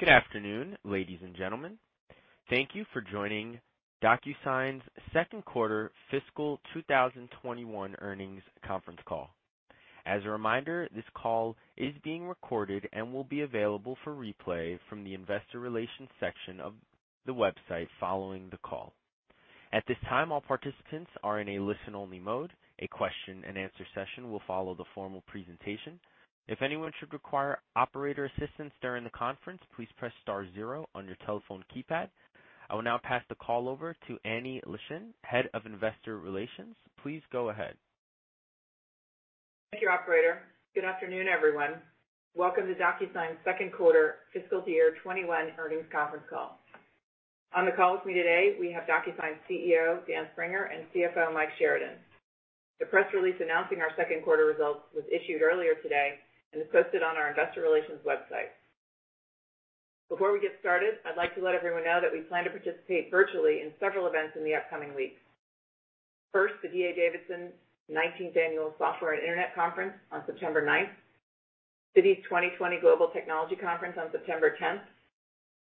Good afternoon, ladies and gentlemen. Thank you for joining DocuSign's second quarter fiscal 2021 earnings conference call. As a reminder, this call is being recorded and will be available for replay from the investor relations section of the website following the call. At this time, all participants are in a listen-only mode. A question and answer session will follow the formal presentation. If anyone should require operator assistance during the conference, please press star zero on your telephone keypad. I will now pass the call over to Annie Leschin, Head of Investor Relations. Please go ahead. Thank you, operator. Good afternoon, everyone. Welcome to DocuSign's second quarter fiscal year 2021 earnings conference call. On the call with me today, we have DocuSign CEO, Dan Springer, and CFO, Michael Sheridan. The press release announcing our second quarter results was issued earlier today and is posted on our investor relations website. Before we get started, I'd like to let everyone know that we plan to participate virtually in several events in the upcoming weeks. First, the D.A. Davidson 19th Annual Software and Internet Conference on September 9th, Citi's 2020 Global Technology Conference on September 10th,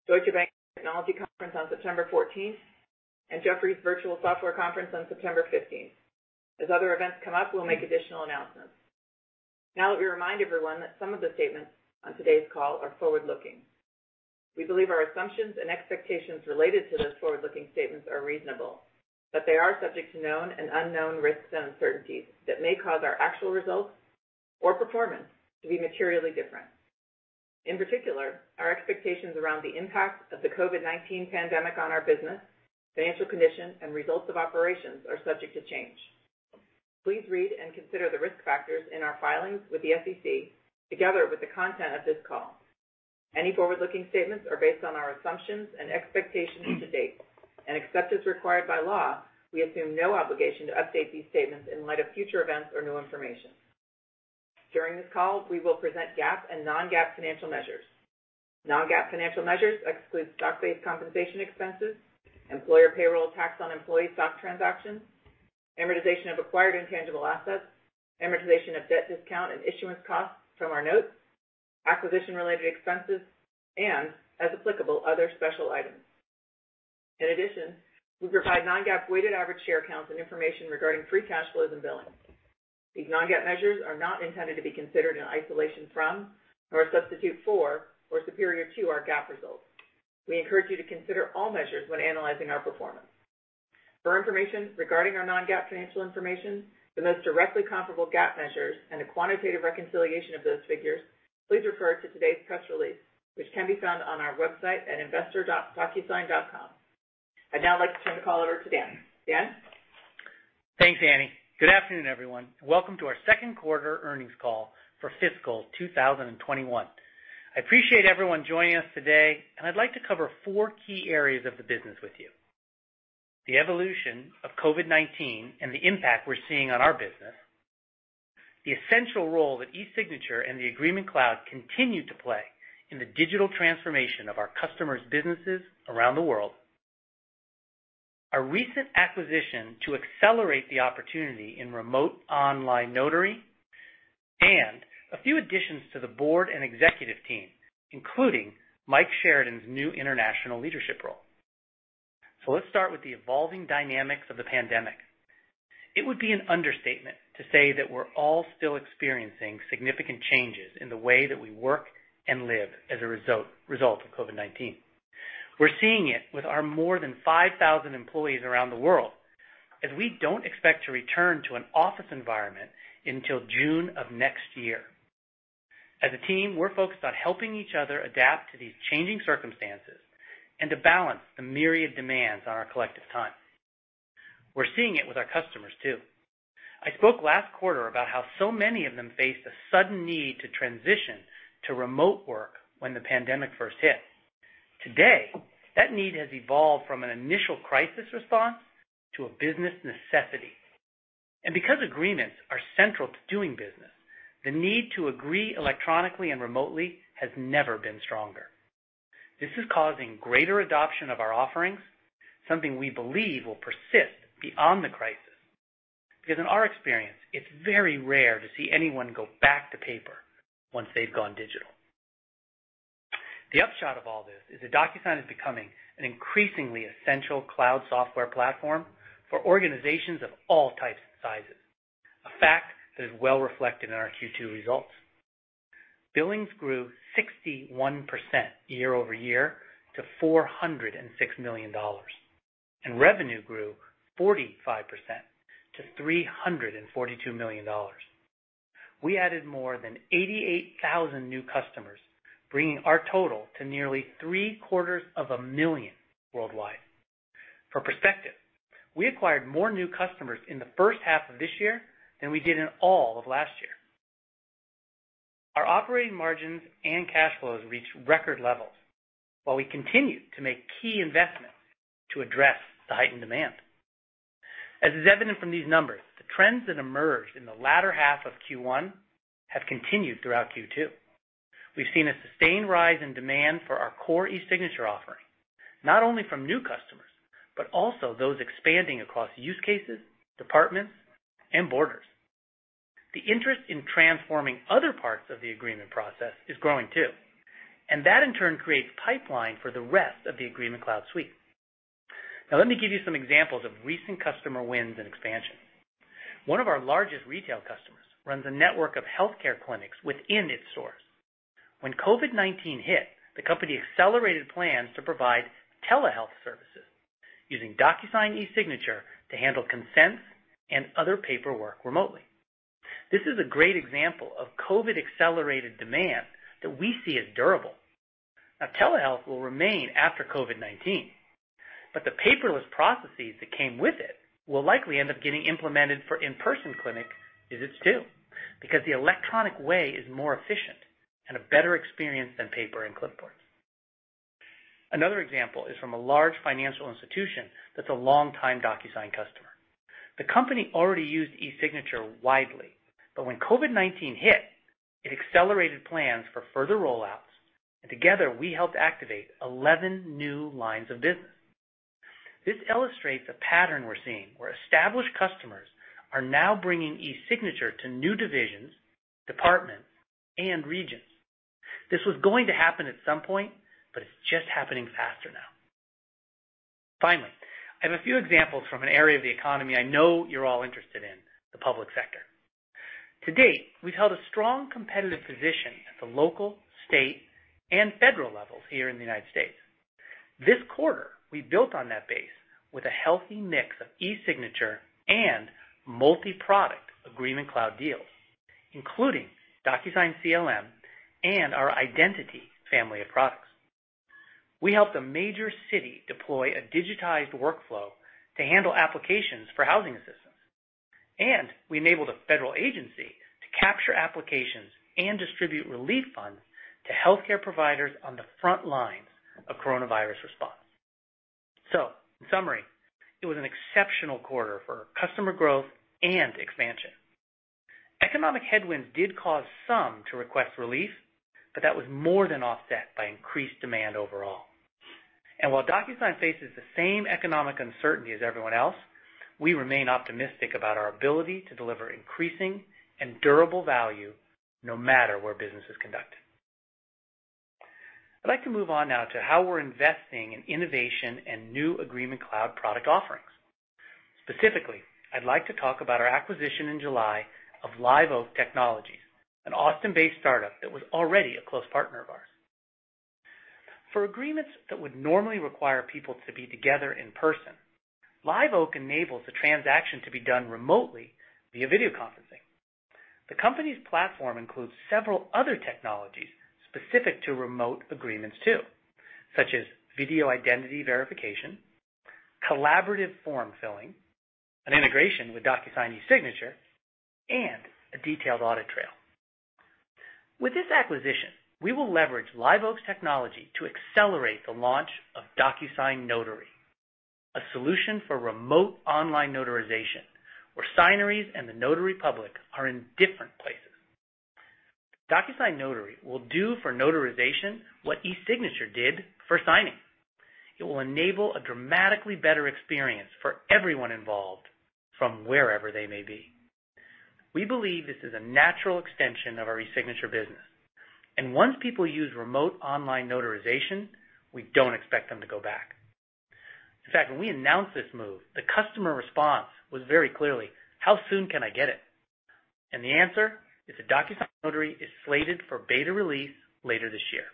Deutsche Bank Technology Conference on September 14th, and Jefferies Virtual Software Conference on September 15th. As other events come up, we'll make additional announcements. Now, let me remind everyone that some of the statements on today's call are forward-looking. We believe our assumptions and expectations related to those forward-looking statements are reasonable, but they are subject to known and unknown risks and uncertainties that may cause our actual results or performance to be materially different. In particular, our expectations around the impact of the COVID-19 pandemic on our business, financial condition, and results of operations are subject to change. Please read and consider the risk factors in our filings with the SEC, together with the content of this call. Any forward-looking statements are based on our assumptions and expectations to date, and except as required by law, we assume no obligation to update these statements in light of future events or new information. During this call, we will present GAAP and non-GAAP financial measures. Non-GAAP financial measures exclude stock-based compensation expenses, employer payroll tax on employee stock transactions, amortization of acquired intangible assets, amortization of debt discount and issuance costs from our notes, acquisition-related expenses, and, as applicable, other special items. In addition, we provide non-GAAP weighted average share counts and information regarding free cash flow and billing. These non-GAAP measures are not intended to be considered in isolation from or a substitute for or superior to our GAAP results. We encourage you to consider all measures when analyzing our performance. For information regarding our non-GAAP financial information, the most directly comparable GAAP measures, and a quantitative reconciliation of those figures, please refer to today's press release, which can be found on our website at investor.docusign.com. I'd now like to turn the call over to Dan. Dan? Thanks, Annie. Good afternoon, everyone. Welcome to our second quarter earnings call for fiscal 2021. I appreciate everyone joining us today, I'd like to cover four key areas of the business with you: the evolution of COVID-19 and the impact we're seeing on our business, the essential role that eSignature and the Agreement Cloud continue to play in the digital transformation of our customers' businesses around the world, our recent acquisition to accelerate the opportunity in remote online notary, and a few additions to the board and executive team, including Mike Sheridan's new international leadership role. Let's start with the evolving dynamics of the pandemic. It would be an understatement to say that we're all still experiencing significant changes in the way that we work and live as a result of COVID-19. We're seeing it with our more than 5,000 employees around the world, as we don't expect to return to an office environment until June of next year. As a team, we're focused on helping each other adapt to these changing circumstances and to balance the myriad demands on our collective time. We're seeing it with our customers, too. I spoke last quarter about how so many of them faced a sudden need to transition to remote work when the pandemic first hit. Today, that need has evolved from an initial crisis response to a business necessity. Because agreements are central to doing business, the need to agree electronically and remotely has never been stronger. This is causing greater adoption of our offerings, something we believe will persist beyond the crisis. In our experience, it's very rare to see anyone go back to paper once they've gone digital. The upshot of all this is that DocuSign is becoming an increasingly essential cloud software platform for organizations of all types and sizes, a fact that is well reflected in our Q2 results. Billings grew 61% year-over-year to $406 million, and revenue grew 45% to $342 million. We added more than 88,000 new customers, bringing our total to nearly three-quarters of a million worldwide. For perspective, we acquired more new customers in the first half of this year than we did in all of last year. Our operating margins and cash flows reached record levels, while we continued to make key investments to address the heightened demand. As is evident from these numbers, the trends that emerged in the latter half of Q1 have continued throughout Q2. We've seen a sustained rise in demand for our core eSignature offering, not only from new customers but also those expanding across use cases, departments, and borders. That in turn creates pipeline for the rest of the Agreement Cloud suite. Let me give you some examples of recent customer wins and expansion. One of our largest retail customers runs a network of healthcare clinics within its stores. When COVID-19 hit, the company accelerated plans to provide telehealth services using DocuSign eSignature to handle consents and other paperwork remotely. This is a great example of COVID-accelerated demand that we see as durable. Telehealth will remain after COVID-19, but the paperless processes that came with it will likely end up getting implemented for in-person clinic visits too, because the electronic way is more efficient and a better experience than paper and clipboards. Another example is from a large financial institution that's a longtime DocuSign customer. The company already used eSignature widely, but when COVID-19 hit, it accelerated plans for further rollouts, and together, we helped activate 11 new lines of business. This illustrates a pattern we're seeing where established customers are now bringing eSignature to new divisions, departments, and regions. This was going to happen at some point, but it's just happening faster now. Finally, I have a few examples from an area of the economy I know you're all interested in, the public sector. To date, we've held a strong competitive position at the local, state, and federal levels here in the U.S. This quarter, we built on that base with a healthy mix of eSignature and multi-product Agreement Cloud deals, including DocuSign CLM and our identity family of products. We helped a major city deploy a digitized workflow to handle applications for housing assistance, and we enabled a federal agency to capture applications and distribute relief funds to healthcare providers on the front lines of COVID-19 response. In summary, it was an exceptional quarter for customer growth and expansion. Economic headwinds did cause some to request relief, but that was more than offset by increased demand overall. While DocuSign faces the same economic uncertainty as everyone else, we remain optimistic about our ability to deliver increasing and durable value, no matter where business is conducted. I'd like to move on now to how we're investing in innovation and new Agreement Cloud product offerings. Specifically, I'd like to talk about our acquisition in July of Liveoak Technologies, an Austin-based startup that was already a close partner of ours. For agreements that would normally require people to be together in person, Liveoak enables the transaction to be done remotely via video conferencing. The company's platform includes several other technologies specific to remote agreements too, such as video identity verification, collaborative form filling, an integration with DocuSign eSignature, and a detailed audit trail. With this acquisition, we will leverage Liveoak's technology to accelerate the launch of DocuSign Notary, a solution for remote online notarization where signers and the notary public are in different places. DocuSign Notary will do for notarization what eSignature did for signing. It will enable a dramatically better experience for everyone involved from wherever they may be. We believe this is a natural extension of our eSignature business, and once people use remote online notarization, we don't expect them to go back. In fact, when we announced this move, the customer response was very clearly, "How soon can I get it?" The answer is that DocuSign Notary is slated for beta release later this year.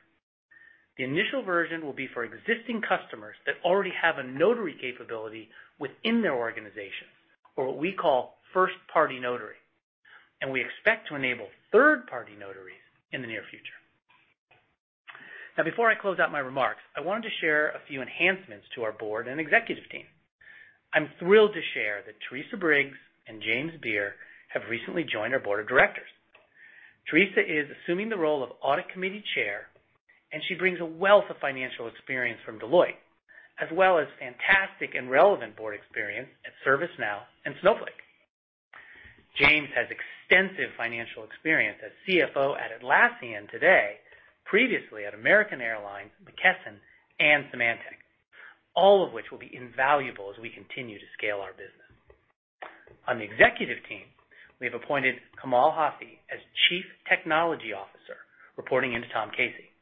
The initial version will be for existing customers that already have a notary capability within their organization, or what we call first-party notary, and we expect to enable third-party notaries in the near future. Before I close out my remarks, I wanted to share a few enhancements to our board and executive team. I'm thrilled to share that Teresa Briggs and James Beer have recently joined our board of directors. Teresa is assuming the role of audit committee chair, and she brings a wealth of financial experience from Deloitte, as well as fantastic and relevant board experience at ServiceNow and Snowflake. James has extensive financial experience as CFO at Atlassian today, previously at American Airlines, McKesson, and Symantec, all of which will be invaluable as we continue to scale our business. On the executive team, we have appointed Kamal Hathi as Chief Technology Officer, reporting into Tom Casey.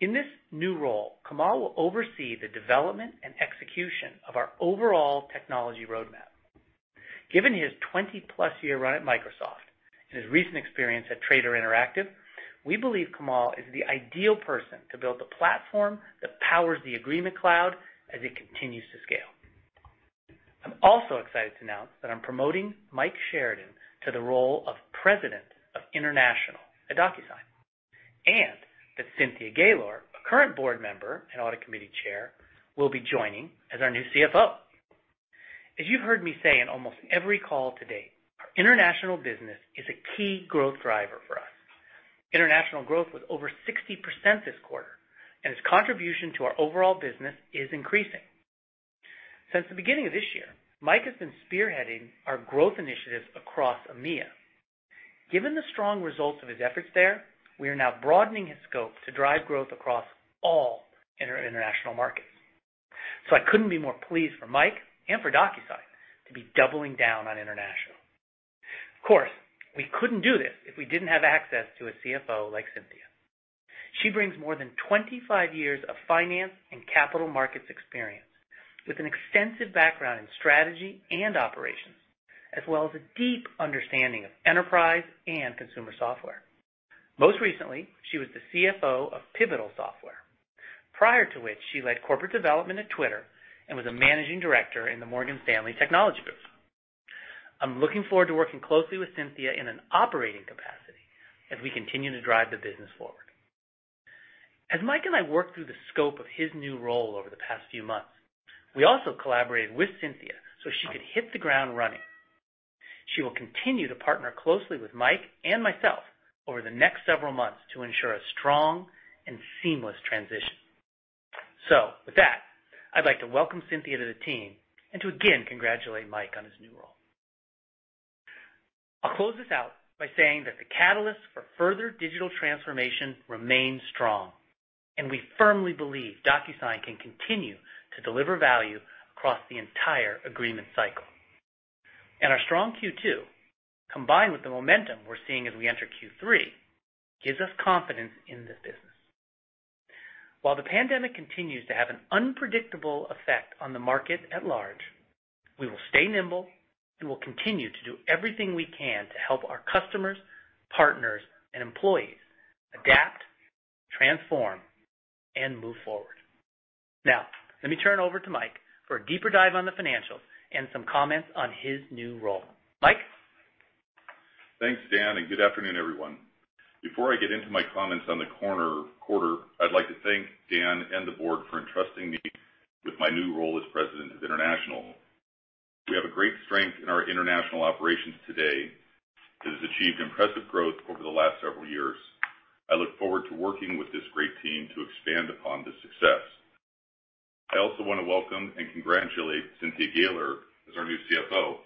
In this new role, Kamal will oversee the development and execution of our overall technology roadmap. Given his 20+ year run at Microsoft and his recent experience at Trader Interactive, we believe Kamal is the ideal person to build the platform that powers the Agreement Cloud as it continues to scale. I'm also excited to announce that I'm promoting Mike Sheridan to the role of President of International at DocuSign, and that Cynthia Gaylor, a current Board Member and Audit Committee Chair, will be joining as our new CFO. As you heard me say in almost every call to date, our international business is a key growth driver for us. International growth was over 60% this quarter, and its contribution to our overall business is increasing. Since the beginning of this year, Mike has been spearheading our growth initiatives across EMEA. Given the strong results of his efforts there, we are now broadening his scope to drive growth across all international markets. I couldn't be more pleased for Mike and for DocuSign to be doubling down on international. Of course, we couldn't do this if we didn't have access to a CFO like Cynthia. She brings more than 25 years of finance and capital markets experience, with an extensive background in strategy and operations, as well as a deep understanding of enterprise and consumer software. Most recently, she was the CFO of Pivotal Software. Prior to which, she led corporate development at Twitter and was a managing director in the Morgan Stanley technology group. I'm looking forward to working closely with Cynthia in an operating capacity as we continue to drive the business forward. As Mike and I worked through the scope of his new role over the past few months, we also collaborated with Cynthia so she could hit the ground running. She will continue to partner closely with Mike and myself over the next several months to ensure a strong and seamless transition. With that, I'd like to welcome Cynthia to the team and to again congratulate Mike on his new role. I'll close this out by saying that the catalyst for further digital transformation remains strong, and we firmly believe DocuSign can continue to deliver value across the entire agreement cycle. Our strong Q2, combined with the momentum we're seeing as we enter Q3, gives us confidence in this business. While the pandemic continues to have an unpredictable effect on the market at large, we will stay nimble and will continue to do everything we can to help our customers, partners, and employees adapt, transform, and move forward. Now, let me turn over to Mike for a deeper dive on the financials and some comments on his new role. Mike? Thanks, Dan. Good afternoon, everyone. Before I get into my comments on the quarter, I'd like to thank Dan and the board for entrusting me with my new role as President of International. We have a great strength in our international operations today that has achieved impressive growth over the last several years. I look forward to working with this great team to expand upon this success. I also want to welcome and congratulate Cynthia Gaylor as our new CFO.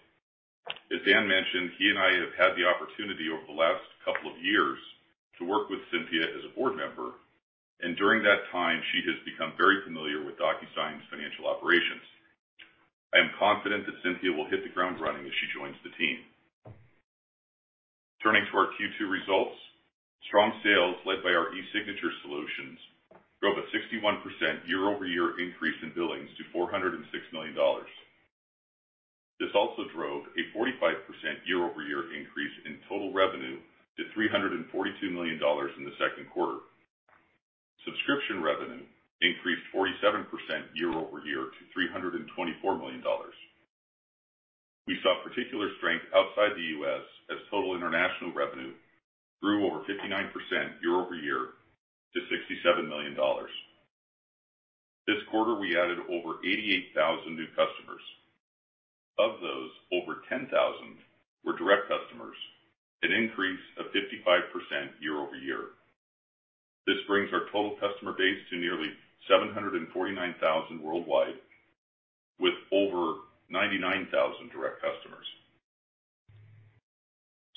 As Dan mentioned, he and I have had the opportunity over the last couple of years to work with Cynthia as a board member, and during that time, she has become very familiar with DocuSign's financial operations. I am confident that Cynthia will hit the ground running as she joins the team. Turning to our Q2 results, strong sales led by our eSignature solutions drove a 61% year-over-year increase in billings to $406 million. This also drove a 45% year-over-year increase in total revenue to $342 million in the second quarter. Subscription revenue increased 47% year-over-year to $324 million. We saw particular strength outside the U.S. as total international revenue grew over 59% year-over-year to $67 million. This quarter, we added over 88,000 new customers. Of those, over 10,000 were direct customers, an increase of 55% year-over-year. This brings our total customer base to nearly 749,000 worldwide, with over 99,000 direct customers.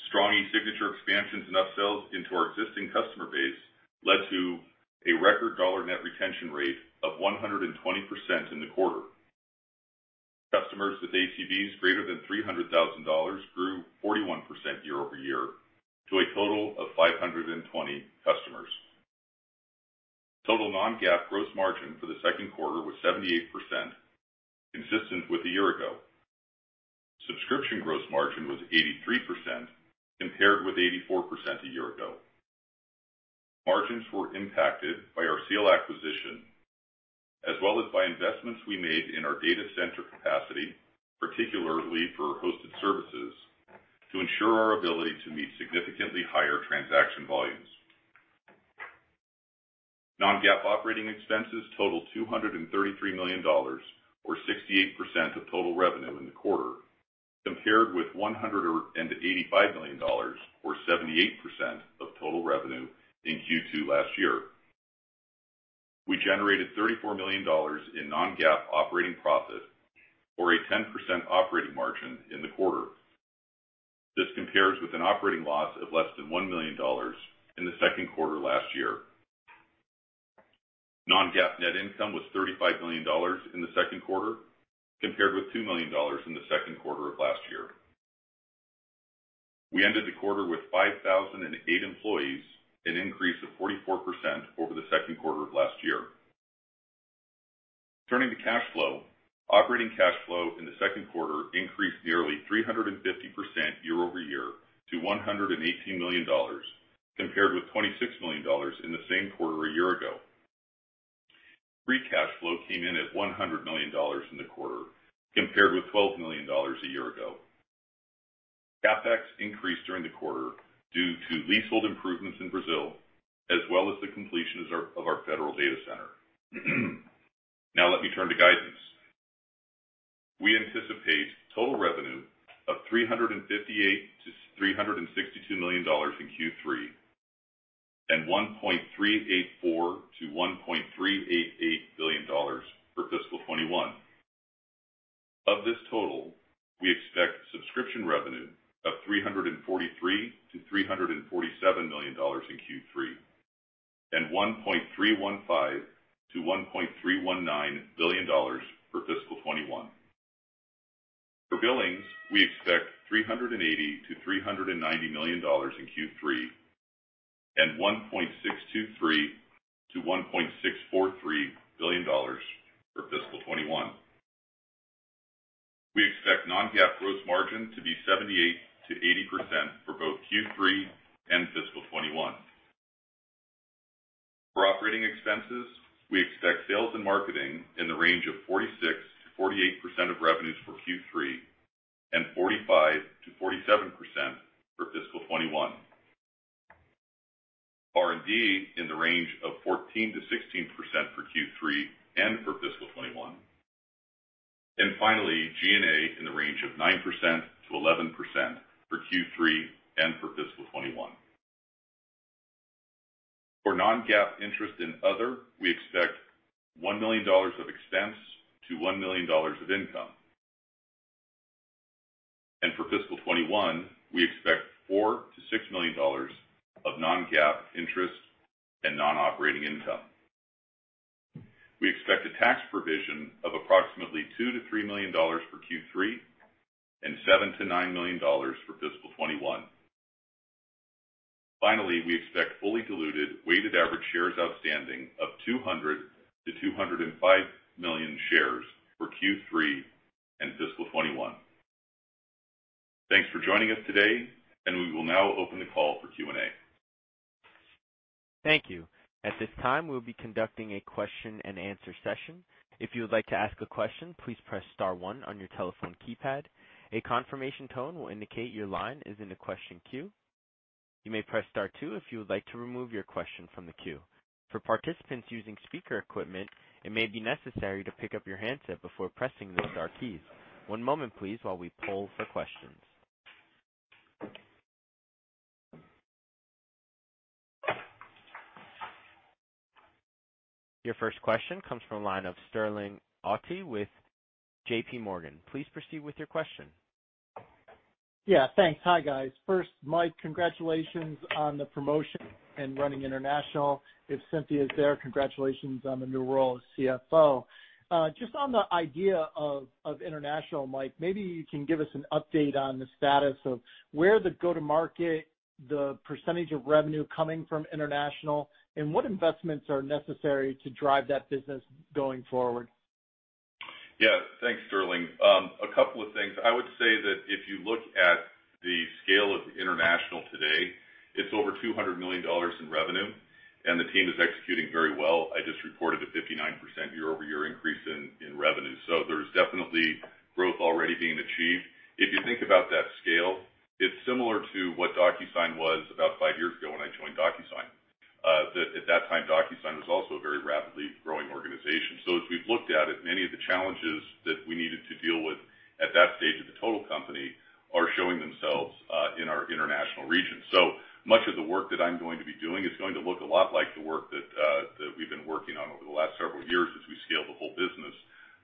Strong eSignature expansions and up-sales into our existing customer base led to a record dollar net retention rate of 120% in the quarter. Customers with ACVs greater than $300,000 grew 41% year-over-year to a total of 520 customers. Total non-GAAP gross margin for the second quarter was 78%, consistent with a year ago. Subscription gross margin was 83%, compared with 84% a year ago. Margins were impacted by our Seal acquisition, as well as by investments we made in our data center capacity, particularly for hosted services, to ensure our ability to meet significantly higher transaction volumes. Non-GAAP operating expenses totaled $233 million or 68% of total revenue in the quarter, compared with $185 million or 78% of total revenue in Q2 last year. We generated $34 million in non-GAAP operating profit or a 10% operating margin in the quarter. This compares with an operating loss of less than $1 million in the second quarter last year. Non-GAAP net income was $35 million in the second quarter, compared with $2 million in the second quarter of last year. We ended the quarter with 5,008 employees, an increase of 44% over the second quarter of last year. Turning to cash flow, operating cash flow in the second quarter increased nearly 350% year-over-year to $118 million, compared with $26 million in the same quarter a year ago. Free cash flow came in at $100 million in the quarter, compared with $12 million a year ago. CapEx increased during the quarter due to leasehold improvements in Brazil, as well as the completion of our federal data center. Let me turn to guidance. We anticipate total revenue of $358 million-$362 million in Q3, and $1.384 billion-$1.388 billion for fiscal 2021. Of this total, we expect subscription revenue of $343 million-$347 million in Q3, and $1.315 billion-$1.319 billion for fiscal 2021. For billings, we expect $380 million-$390 million in Q3 and $1.623 billion-$1.643 billion for fiscal 2021. We expect non-GAAP gross margin to be 78%-80% for both Q3 and fiscal 2021. For operating expenses, we expect sales and marketing in the range of 46%-48% of revenues for Q3 and 45%-47% for fiscal 2021. R&D in the range of 14%-16% for Q3 and for fiscal 2021. Finally, G&A in the range of 9%-11% for Q3 and for fiscal 2021. For non-GAAP interest and other, we expect $1 million of expense to $1 million of income. For fiscal 2021, we expect $4 million-$6 million of non-GAAP interest and non-operating income. We expect a tax provision of approximately $2 million-$3 million for Q3 and $7 million-$9 million for fiscal 2021. Finally, we expect fully diluted weighted average shares outstanding of 200 million-205 million shares for Q3 and fiscal 2021. Thanks for joining us today. We will now open the call for Q&A. Thank you. At this time, we'll be conducting a question and answer session. If you would like to ask a question, please press star one on your telephone keypad. A confirmation tone will indicate your line is in the question queue. You may press star two if you would like to remove your question from the queue. For participants using speaker equipment, it may be necessary to pick up your handset before pressing the star keys. One moment please while we poll for questions. Your first question comes from the line of Sterling Auty with JPMorgan. Please proceed with your question. Yeah, thanks. Hi, guys. First, Mike, congratulations on the promotion and running international. If Cynthia is there, congratulations on the new role as CFO. Just on the idea of international, Mike, maybe you can give us an update on the status of where the go-to-market, the percentage of revenue coming from international, and what investments are necessary to drive that business going forward? Yeah. Thanks, Sterling. A couple of things. I would say that if you look at the scale of international today, it's over $200 million in revenue, and the team is executing very well. I just reported a 59% year-over-year increase in revenue. There's definitely growth already being achieved. If you think about that scale, it's similar to what DocuSign was about five years ago when I joined DocuSign. At that time, DocuSign was also a very rapidly growing organization. As we've looked at it, many of the challenges that we needed to deal with at that stage of the total company are showing themselves in our international region. Much of the work that I'm going to be doing is going to look a lot like the work that we've been working on over the last several years since we scaled the whole business.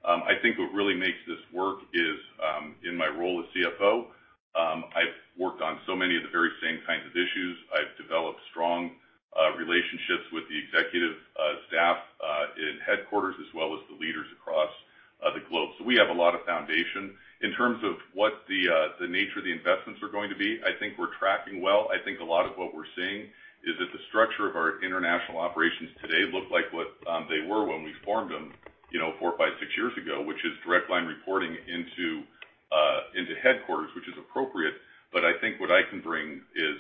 I think what really makes this work is, in my role as CFO, I've worked on so many of the very same kinds of issues. I've developed strong relationships with the executive staff in headquarters, as well as the leaders across the globe. We have a lot of foundation. In terms of what the nature of the investments are going to be, I think we're tracking well. I think a lot of what we're seeing is that the structure of our international operations today look like what they were when we formed them four, five, six years ago, which is direct line reporting into headquarters, which is appropriate. I think what I can bring is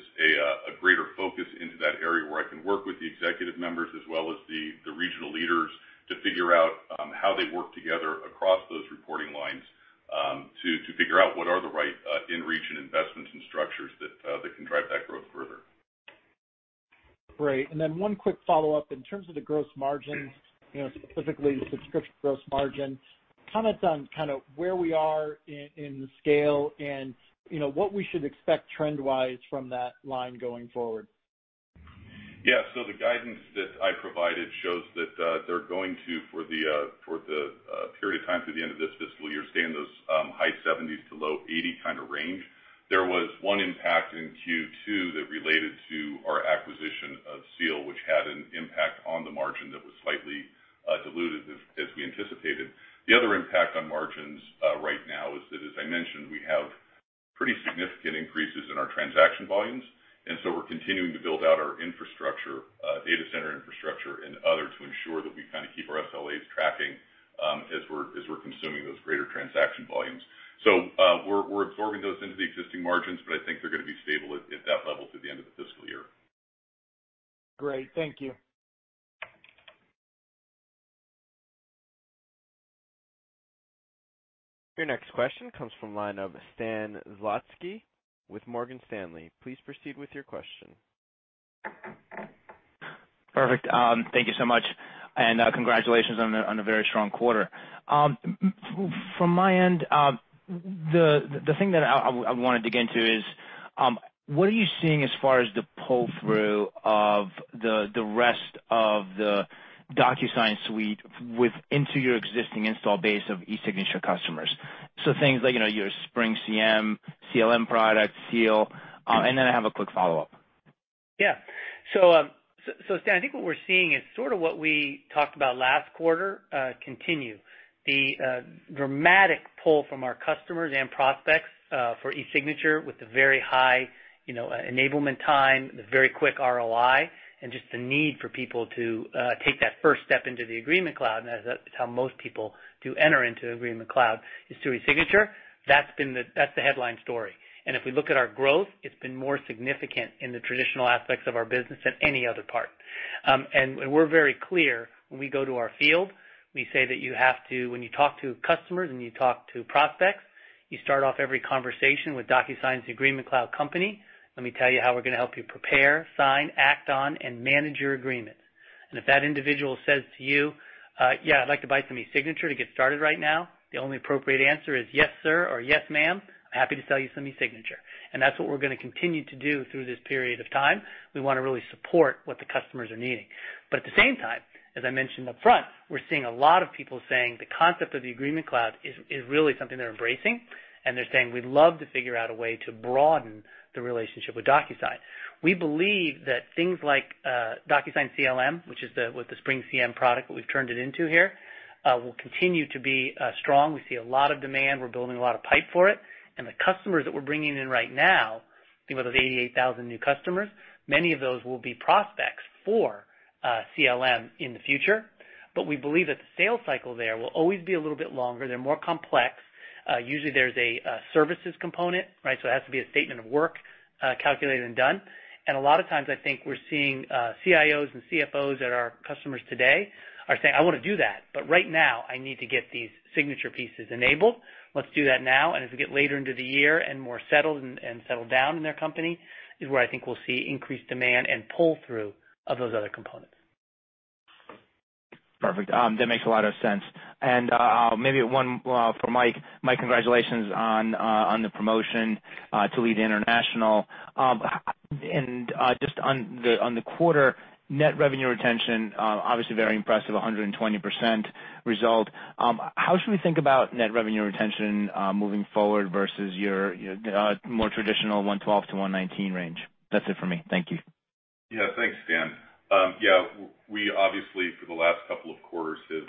a greater focus into that area, where I can work with the executive members as well as the regional leaders to figure out how they work together across those reporting lines, to figure out what are the right in-region investments and structures that can drive that growth further. Great. One quick follow-up. In terms of the gross margin, specifically the subscription gross margin, comment on where we are in the scale and what we should expect trend-wise from that line going forward. The guidance that I provided shows that they're going to, for the period of time through the end of this fiscal year, stay in those high 70s to low 80 kind of range. There was one impact in Q2 that related to our acquisition of Seal, which had an impact on the margin that was slightly diluted as we anticipated. The other impact on margins right now is that, as I mentioned, we have pretty significant increases in our transaction volumes, we're continuing to build out our data center infrastructure and other to ensure that we keep our SLAs tracking as we're consuming those greater transaction volumes. We're absorbing those into the existing margins, but I think they're going to be stable at that level through the end of the fiscal year. Great. Thank you. Your next question comes from the line of Stan Zlotsky with Morgan Stanley. Please proceed with your question. Perfect. Thank you so much, and congratulations on a very strong quarter. From my end, the thing that I want to dig into is. What are you seeing as far as the pull-through of the rest of the DocuSign suite into your existing install base of eSignature customers? Things like your SpringCM, CLM products, Seal. I have a quick follow-up. Yeah. Stan, I think what we're seeing is sort of what we talked about last quarter continue. The dramatic pull from our customers and prospects for eSignature with the very high enablement time, the very quick ROI, and just the need for people to take that first step into the Agreement Cloud, and that's how most people do enter into Agreement Cloud, is through eSignature. That's the headline story. If we look at our growth, it's been more significant in the traditional aspects of our business than any other part. We're very clear when we go to our field, we say that when you talk to customers and you talk to prospects, you start off every conversation with DocuSign Agreement Cloud company. Let me tell you how we're going to help you prepare, sign, act on, and manage your agreements. If that individual says to you, "Yeah, I'd like to buy some eSignature to get started right now," the only appropriate answer is, "Yes, sir," or "Yes, ma'am, I'm happy to sell you some eSignature." That's what we're going to continue to do through this period of time. We want to really support what the customers are needing. At the same time, as I mentioned upfront, we're seeing a lot of people saying the concept of the Agreement Cloud is really something they're embracing, and they're saying, "We'd love to figure out a way to broaden the relationship with DocuSign." We believe that things like DocuSign CLM, which is what the SpringCM product, what we've turned it into here, will continue to be strong. We see a lot of demand. We're building a lot of pipe for it. The customers that we're bringing in right now, think about those 88,000 new customers, many of those will be prospects for CLM in the future, but we believe that the sales cycle there will always be a little bit longer. They're more complex. Usually there's a services component, so it has to be a statement of work, calculated and done. A lot of times, I think we're seeing CIOs and CFOs that are our customers today are saying, "I want to do that, but right now I need to get these signature pieces enabled. Let's do that now." As we get later into the year and more settled down in their company, is where I think we'll see increased demand and pull-through of those other components. Perfect. That makes a lot of sense. Maybe one for Mike. Mike, congratulations on the promotion to lead international. Just on the quarter, dollar net retention, obviously very impressive, 120% result. How should we think about dollar net retention moving forward versus your more traditional 112-119 range? That's it for me. Thank you. Thanks, Dan. We obviously, for the last couple of quarters, have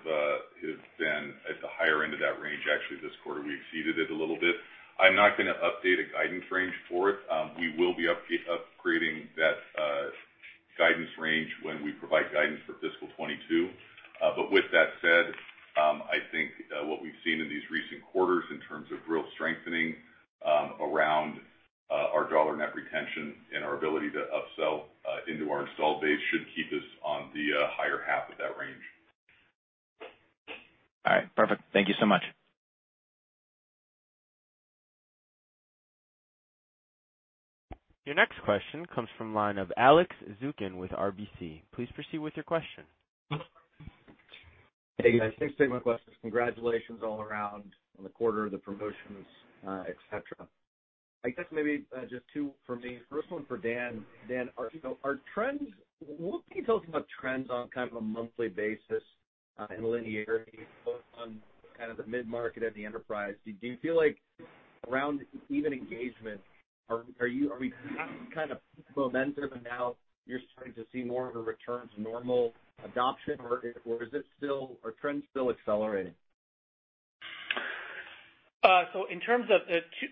been at the higher end of that range. Actually, this quarter, we exceeded it a little bit. I'm not going to update a guidance range for it. We will be upgrading that guidance range when we provide guidance for fiscal 2022. With that said, I think what we've seen in these recent quarters in terms of real strengthening around our dollar net retention and our ability to upsell into our install base should keep us on the higher half of that range. All right, perfect. Thank you so much. Your next question comes from the line of Alex Zukin with RBC. Please proceed with your question. Hey, guys. Thanks for taking my questions. Congratulations all around on the quarter, the promotions, et cetera. I guess maybe just two for me. First one for Dan. Dan, what can you tell us about trends on kind of a monthly basis and linearity both on kind of the mid-market and the enterprise? Do you feel like around even engagement, are we past kind of peak momentum and now you're starting to see more of a return to normal adoption, or are trends still accelerating?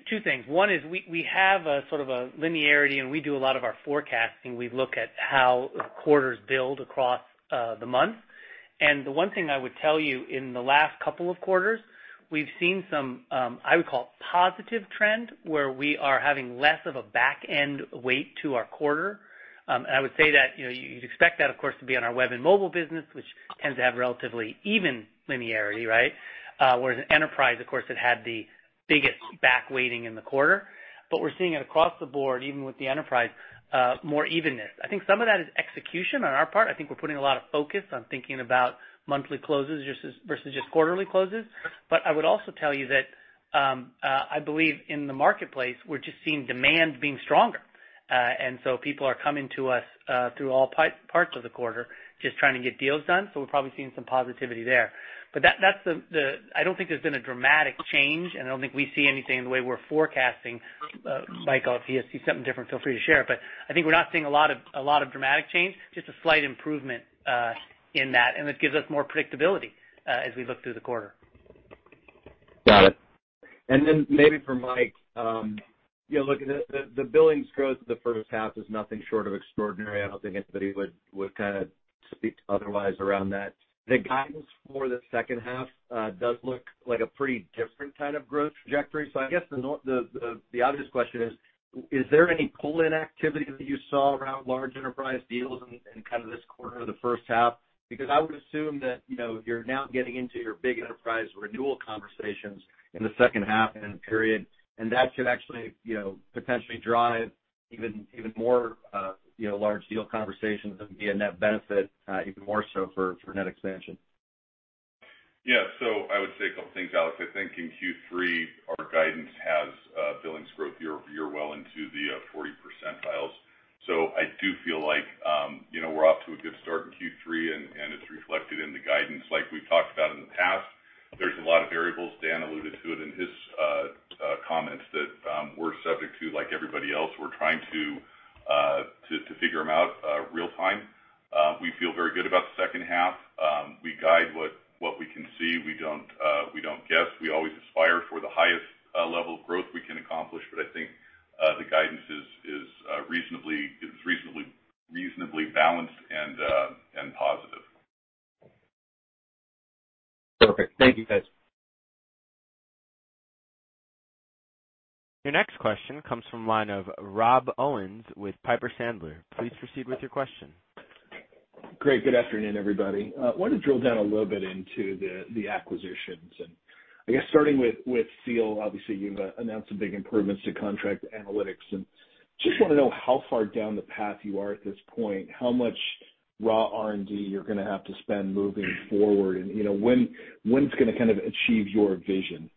Two things. One is we have a sort of a linearity, and we do a lot of our forecasting. We look at how quarters build across the month. The one thing I would tell you, in the last couple of quarters, we've seen some, I would call, positive trend, where we are having less of a back end weight to our quarter. I would say that you'd expect that, of course, to be on our web and mobile business, which tends to have relatively even linearity, right? Whereas in enterprise, of course, it had the biggest back weighting in the quarter, but we're seeing it across the board, even with the enterprise, more evenness. I think some of that is execution on our part. I think we're putting a lot of focus on thinking about monthly closes versus just quarterly closes. I would also tell you that I believe in the marketplace, we're just seeing demand being stronger. People are coming to us through all parts of the quarter just trying to get deals done. We're probably seeing some positivity there. I don't think there's been a dramatic change, and I don't think we see anything in the way we're forecasting. Mike, if you see something different, feel free to share it. I think we're not seeing a lot of dramatic change, just a slight improvement in that. It gives us more predictability as we look through the quarter. Got it. Maybe for Mike. Looking at the billings growth for the first half is nothing short of extraordinary. I don't think anybody would kind of speak otherwise around that. The guidance for the second half does look like a pretty different kind of growth trajectory. I guess the obvious question is there any pull-in activity that you saw around large enterprise deals in kind of this quarter or the first half? I would assume that you're now getting into your big enterprise renewal conversations in the second half and period, and that should actually potentially drive even more large deal conversations and be a net benefit even more so for net expansion. Yeah. I would say a couple of things, Alex. I think in Q3, our guidance has billings growth year well into the 40 percentiles. I do feel like we're off to a good start in Q3, and it's reflected in the guidance. Like we've talked about in the past, there's a lot of variables, Dan alluded to it in his comments, that we're subject to like everybody else. We're trying to figure them out real-time. We feel very good about the second half. We guide what we can see. We don't guess. We always aspire for the highest level of growth we can accomplish. I think the guidance is reasonably balanced and positive. Okay. Thank you, guys. Your next question comes from the line of Rob Owens with Piper Sandler. Please proceed with your question. Great. Good afternoon, everybody. I wanted to drill down a little bit into the acquisitions, and I guess starting with Seal. Obviously, you've announced some big improvements to contract analytics, and just want to know how far down the path you are at this point, how much raw R&D you're going to have to spend moving forward, and when it's going to kind of achieve your vision.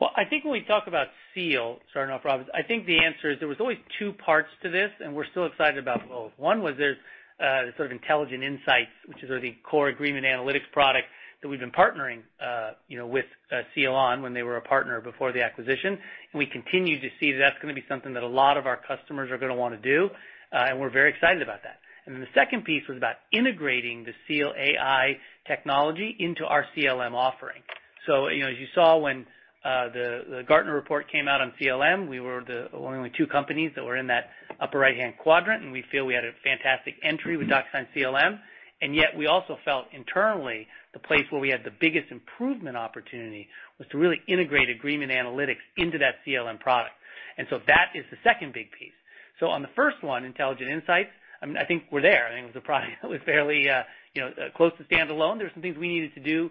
Well, I think when we talk about Seal, starting off, Rob, I think the answer is there was always two parts to this, and we're still excited about both. One was there's sort of Intelligent Insights, which is the core agreement analytics product that we've been partnering with Seal on when they were a partner before the acquisition. We continue to see that that's going to be something that a lot of our customers are going to want to do, and we're very excited about that. The second piece was about integrating the Seal AI technology into our CLM offering. As you saw when the Gartner report came out on CLM, we were one of only two companies that were in that upper right-hand quadrant, and we feel we had a fantastic entry with DocuSign CLM, and yet we also felt internally the place where we had the biggest improvement opportunity was to really integrate agreement analytics into that CLM product. That is the second big piece. On the first one, Intelligent Insights, I think we're there. I think it was a product that was fairly close to standalone. There were some things we needed to do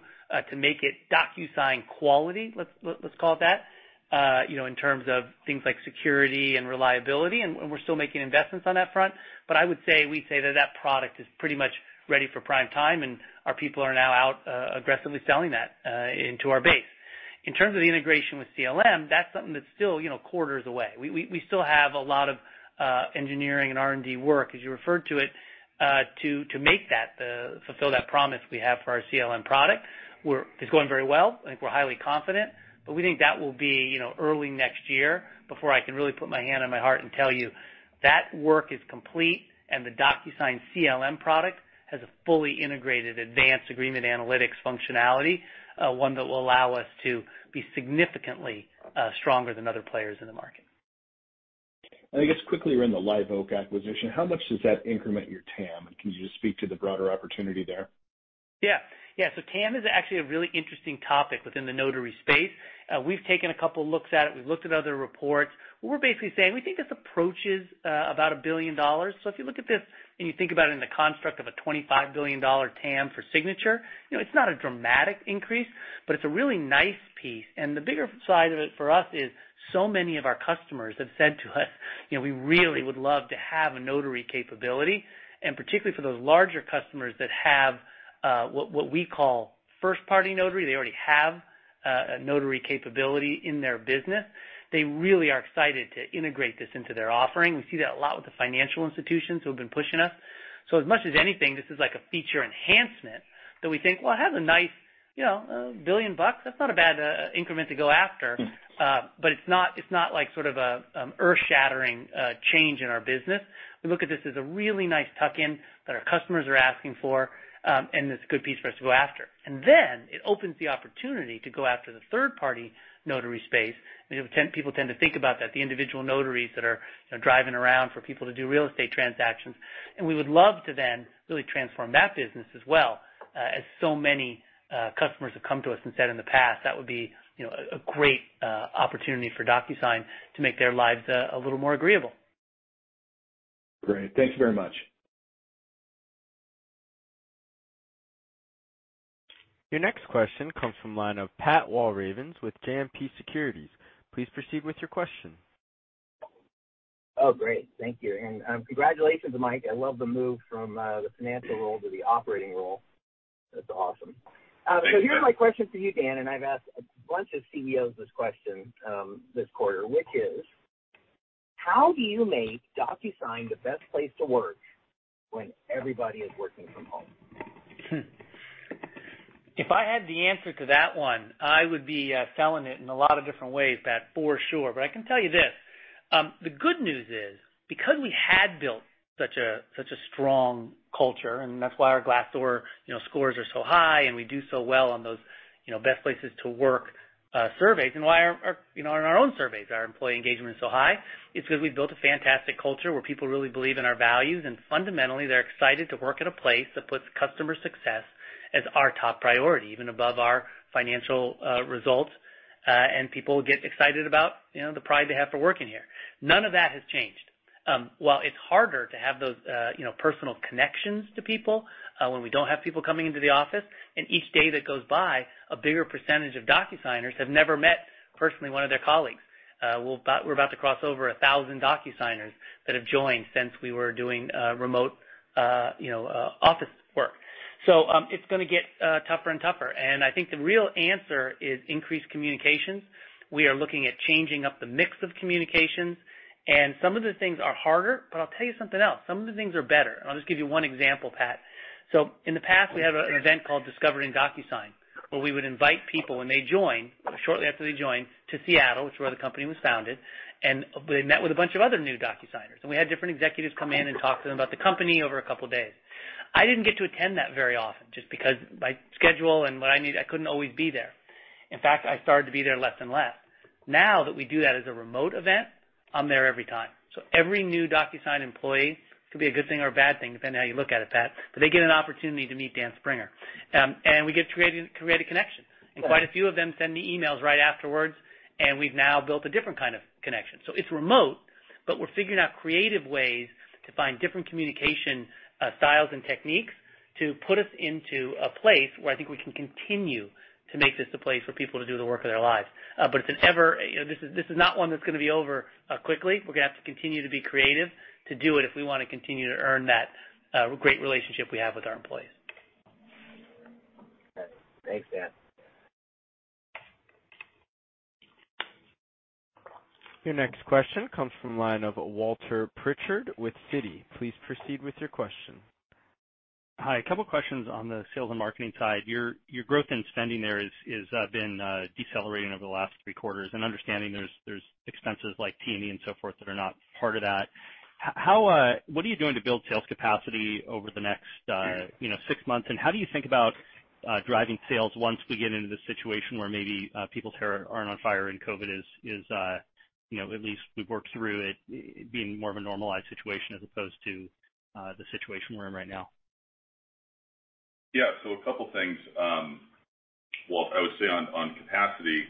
to make it DocuSign quality, let's call it that, in terms of things like security and reliability, and we're still making investments on that front. I would say, we say that that product is pretty much ready for prime time, and our people are now out aggressively selling that into our base. In terms of the integration with CLM, that's something that's still quarters away. We still have a lot of engineering and R&D work, as you referred to it, to fulfill that promise we have for our CLM product. It's going very well, and I think we're highly confident, but we think that will be early next year before I can really put my hand on my heart and tell you that work is complete and the DocuSign CLM product has a fully integrated advanced agreement analytics functionality, one that will allow us to be significantly stronger than other players in the market. I guess quickly around the Liveoak acquisition, how much does that increment your TAM, and can you just speak to the broader opportunity there? Yeah. TAM is actually a really interesting topic within the notary space. We've taken a couple looks at it. We've looked at other reports. What we're basically saying, we think this approaches about $1 billion. If you look at this and you think about it in the construct of a $25 billion TAM for signature, it's not a dramatic increase, but it's a really nice piece, and the bigger side of it for us is so many of our customers have said to us, "We really would love to have a notary capability." Particularly for those larger customers that have what we call first-party notary, they already have a notary capability in their business. They really are excited to integrate this into their offering. We see that a lot with the financial institutions who have been pushing us. As much as anything, this is like a feature enhancement that we think, well, it has a nice $1 billion. That's not a bad increment to go after. It's not like sort of an earth-shattering change in our business. We look at this as a really nice tuck-in that our customers are asking for, and it's a good piece for us to go after. It opens the opportunity to go after the third-party notary space. People tend to think about that, the individual notaries that are driving around for people to do real estate transactions. We would love to then really transform that business as well, as so many customers have come to us and said in the past that would be a great opportunity for DocuSign to make their lives a little more agreeable. Great. Thank you very much. Your next question comes from the line of Pat Walravens with JMP Securities. Please proceed with your question. Oh, great. Thank you. Congratulations, Mike. I love the move from the financial role to the operating role. That's awesome. Thanks, Pat. Here's my question for you, Dan, and I've asked a bunch of CEOs this question this quarter, which is how do you make DocuSign the best place to work when everybody is working from home? If I had the answer to that one, I would be selling it in a lot of different ways, Pat, for sure. I can tell you this. The good news is because we had built such a strong culture, and that's why our Glassdoor scores are so high, and we do so well on those best places to work surveys, and on our own surveys, our employee engagement is so high. It's because we've built a fantastic culture where people really believe in our values, and fundamentally, they're excited to work at a place that puts customer success as our top priority, even above our financial results. People get excited about the pride they have for working here. None of that has changed. While it's harder to have those personal connections to people when we don't have people coming into the office, and each day that goes by, a bigger percentage of DocuSigners have never met personally one of their colleagues. We're about to cross over 1,000 DocuSigners that have joined since we were doing remote office work. It's going to get tougher and tougher. I think the real answer is increased communications. We are looking at changing up the mix of communications, some of the things are harder, but I'll tell you something else, some of the things are better. I'll just give you one example, Pat. In the past, we had an event called Discovering DocuSign, where we would invite people when they join, shortly after they join, to Seattle, which is where the company was founded, and they met with a bunch of other new DocuSigners. We had different executives come in and talk to them about the company over a couple of days. I didn't get to attend that very often just because my schedule and what I need, I couldn't always be there. In fact, I started to be there less and less. Now that we do that as a remote event, I'm there every time. Every new DocuSign employee, it could be a good thing or a bad thing, depending on how you look at it, Pat, but they get an opportunity to meet Dan Springer. We get to create a connection. Right. Quite a few of them send me emails right afterwards, and we've now built a different kind of connection. It's remote, but we're figuring out creative ways to find different communication styles and techniques to put us into a place where I think we can continue to make this a place for people to do the work of their lives. This is not one that's going to be over quickly. We're going to have to continue to be creative to do it if we want to continue to earn that great relationship we have with our employees. Thanks, Dan. Your next question comes from the line of Walter Pritchard with Citi. Please proceed with your question. Hi, a couple of questions on the sales and marketing side. Your growth in spending there has been decelerating over the last three quarters. Understanding there's expenses like T&E and so forth that are not part of that, what are you doing to build sales capacity over the next six months, and how do you think about driving sales once we get into the situation where maybe people's hair aren't on fire and COVID is at least we've worked through it being more of a normalized situation as opposed to the situation we're in right now? Yeah. A couple of things. Well, I would say on capacity,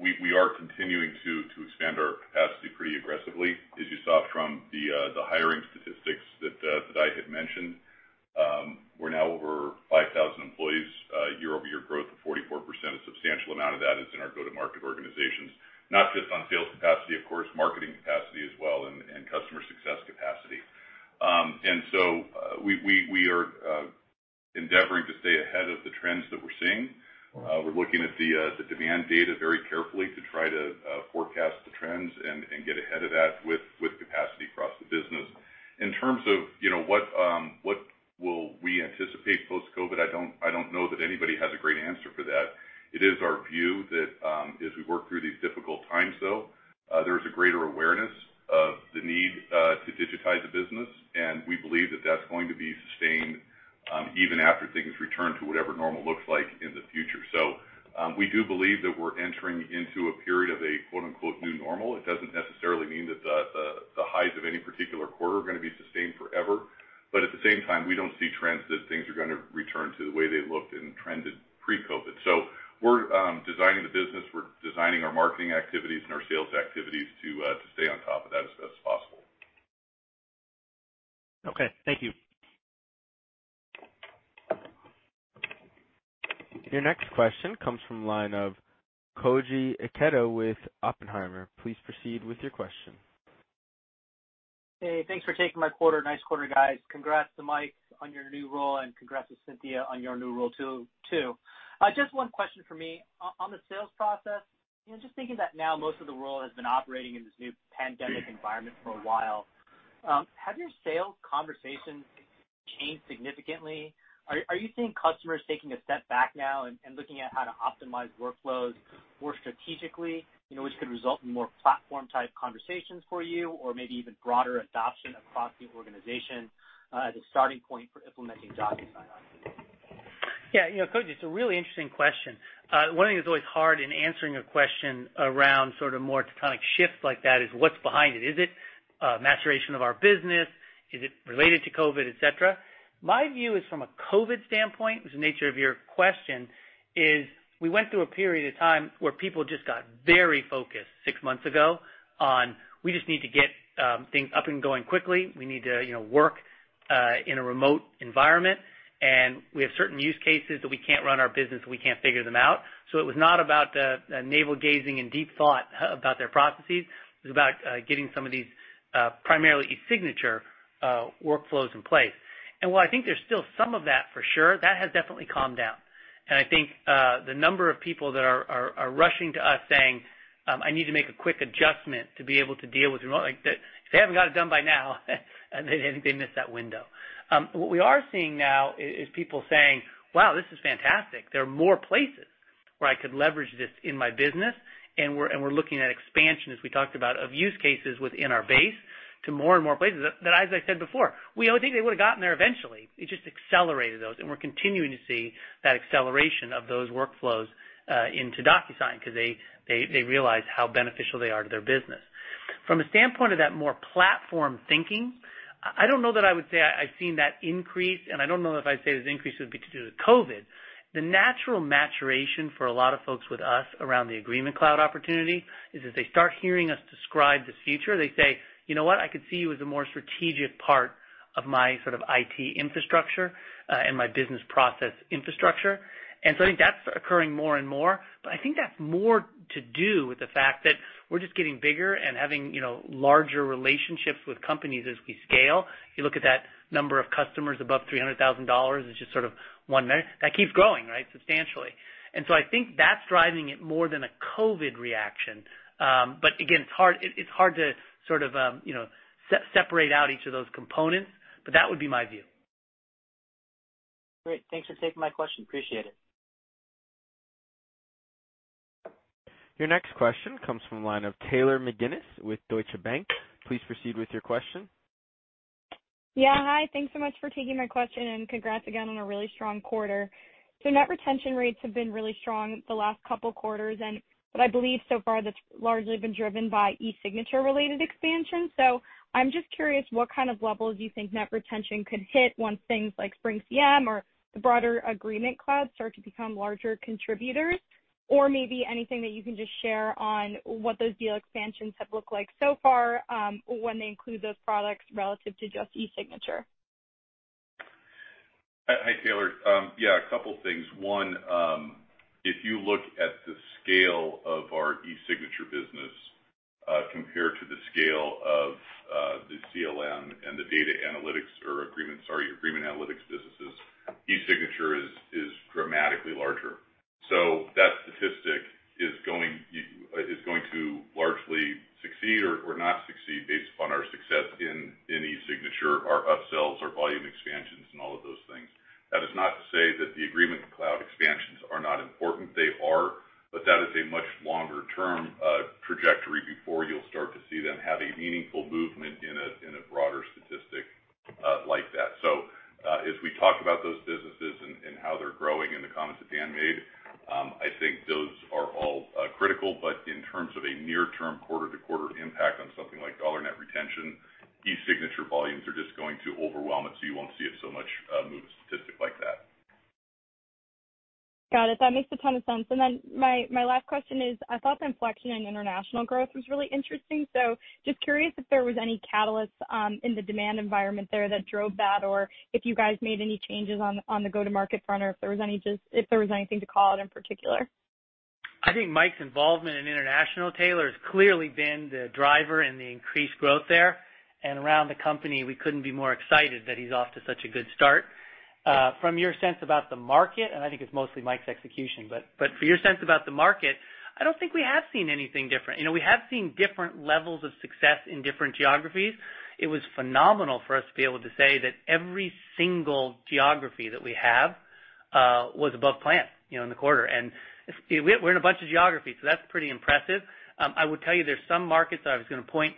we are continuing to expand our capacity pretty aggressively. As you saw from the hiring statistics that I had mentioned, we're now over 5,000 employees, year-over-year growth of 44%. A substantial amount of that is in our go-to-market organizations. Not just on sales capacity, of course, marketing capacity as well, and customer success capacity. We are endeavoring to stay ahead of the trends that we're seeing. We're looking at the demand data very carefully to try to forecast the trends and get ahead of that with capacity across the business. In terms of what will we anticipate post-COVID, I don't know that anybody has a great answer for that. It is our view that as we work through these difficult times, though, there is a greater awareness of the need to digitize the business, and we believe that that's going to be sustained even after things return to whatever normal looks like in the future. We do believe that we're entering into a period of a quote-unquote "new normal." It doesn't necessarily mean that the highs of any particular quarter are going to be sustained forever. At the same time, we don't see trends that things are going to return to the way they looked and trended pre-COVID. We're designing the business, we're designing our marketing activities and our sales activities to stay on top of that as best as possible. Okay. Thank you. Your next question comes from the line of Koji Ikeda with Oppenheimer. Please proceed with your question. Hey, thanks for taking my call. Nice quarter, guys. Congrats to Mike on your new role. Congrats to Cynthia on your new role too. Just one question from me. On the sales process, just thinking that now most of the world has been operating in this new pandemic environment for a while, have your sales conversations changed significantly? Are you seeing customers taking a step back now and looking at how to optimize workflows more strategically, which could result in more platform-type conversations for you or maybe even broader adoption across the organization as a starting point for implementing DocuSign? Yeah, Koji, it's a really interesting question. One thing that's always hard in answering a question around more tectonic shifts like that is what's behind it. Is it maturation of our business? Is it related to COVID, et cetera? My view is from a COVID standpoint, which is the nature of your question, is we went through a period of time where people just got very focused six months ago on we just need to get things up and going quickly. We need to work in a remote environment, and we have certain use cases that we can't run our business, and we can't figure them out. It was not about navel-gazing and deep thought about their processes. It was about getting some of these, primarily e-signature workflows in place. While I think there's still some of that for sure, that has definitely calmed down. I think, the number of people that are rushing to us saying, "I need to make a quick adjustment to be able to deal with remote." If they haven't got it done by now they missed that window. What we are seeing now is people saying, "Wow, this is fantastic. There are more places where I could leverage this in my business," and we're looking at expansion, as we talked about, of use cases within our base to more and more places. As I said before, we think they would've gotten there eventually. It just accelerated those, and we're continuing to see that acceleration of those workflows into DocuSign because they realize how beneficial they are to their business. From a standpoint of that more platform thinking, I don't know that I would say I've seen that increase, and I don't know if I'd say this increase would be to do with COVID-19. The natural maturation for a lot of folks with us around the Agreement Cloud opportunity is as they start hearing us describe this future, they say, "You know what? I could see you as a more strategic part of my IT infrastructure, and my business process infrastructure." I think that's occurring more and more, but I think that's more to do with the fact that we're just getting bigger and having larger relationships with companies as we scale. If you look at that number of customers above $300,000, it's just one measure. That keeps growing, right, substantially. I think that's driving it more than a COVID-19 reaction. Again, it's hard to separate out each of those components, but that would be my view. Great. Thanks for taking my question. Appreciate it. Your next question comes from the line of Taylor McGinnis with Deutsche Bank. Please proceed with your question. Yeah. Hi, thanks so much for taking my question, and congrats again on a really strong quarter. Net retention rates have been really strong the last couple quarters, but I believe so far that's largely been driven by eSignature-related expansion. I'm just curious what kind of levels you think net retention could hit once things like SpringCM or the broader Agreement Cloud start to become larger contributors? Maybe anything that you can just share on what those deal expansions have looked like so far, when they include those products relative to just eSignature. Hi, Taylor. Yeah, a couple things. One, if you look at the scale of our eSignature business, compared to the scale of the CLM and the data analytics or agreement, sorry, agreement analytics businesses, eSignature is dramatically larger. That statistic is going to largely succeed or not succeed based upon our success in eSignature, our upsells, our volume expansions, and all of those things. That is not to say that the Agreement Cloud expansions are not important. They are. That is a much longer-term trajectory before you'll start to see them have a meaningful movement in a broader statistic like that. As we talk about those businesses and how they're growing in the comments that Dan made, I think those are all critical. In terms of a near-term quarter-to-quarter impact on something like dollar net retention, eSignature volumes are just going to overwhelm it. You won't see it so much move a statistic like that. Got it. That makes a ton of sense. My last question is, I thought the inflection in international growth was really interesting, so just curious if there was any catalyst in the demand environment there that drove that, or if you guys made any changes on the go-to-market front, or if there was anything to call out in particular. I think Mike's involvement in international, Taylor, has clearly been the driver in the increased growth there. Around the company, we couldn't be more excited that he's off to such a good start. From your sense about the market, and I think it's mostly Mike's execution, but for your sense about the market, I don't think we have seen anything different. We have seen different levels of success in different geographies. It was phenomenal for us to be able to say that every single geography that we have was above plan in the quarter. We're in a bunch of geographies, so that's pretty impressive. I would tell you there's some markets that I was going to point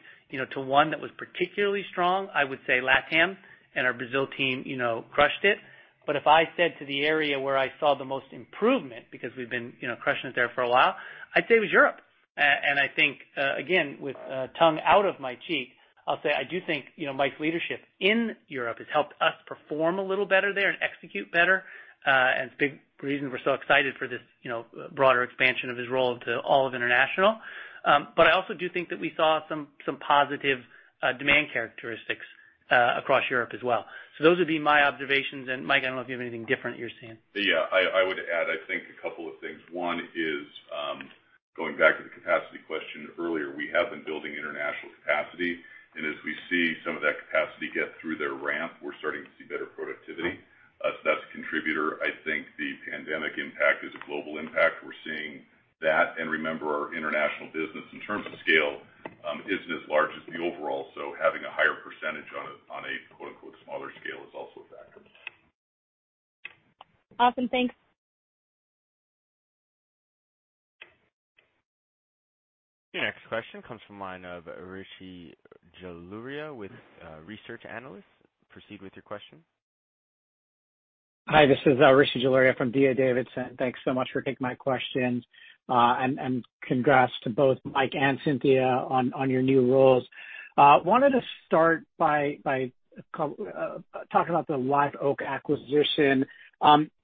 to one that was particularly strong, I would say LATAM, and our Brazil team crushed it. If I said to the area where I saw the most improvement, because we've been crushing it there for a while, I'd say it was Europe. I think, again, with tongue out of my cheek, I'll say I do think Mike's leadership in Europe has helped us perform a little better there and execute better, and it's a big reason we're so excited for this broader expansion of his role to all of international. I also do think that we saw some positive demand characteristics across Europe as well. Those would be my observations. Mike, I don't know if you have anything different you're seeing. Yeah, I would add, I think a couple of things. One is, going back to the capacity question earlier, we have been building international capacity. As we see some of that capacity get through their ramp, we're starting to see better productivity. That's a contributor. I think the pandemic impact is a global impact. We're seeing that. Remember, our international business in terms of scale, isn't as large as the overall. Having a higher percentage on a quote-unquote smaller scale is also a factor. Awesome. Thanks. Your next question comes from the line of Rishi Jaluria with D.A. Davidson. Proceed with your question. Hi, this is Rishi Jaluria from D.A. Davidson. Thanks so much for taking my questions. Congrats to both Mike and Cynthia on your new roles. I wanted to start by talking about the Live Oak acquisition.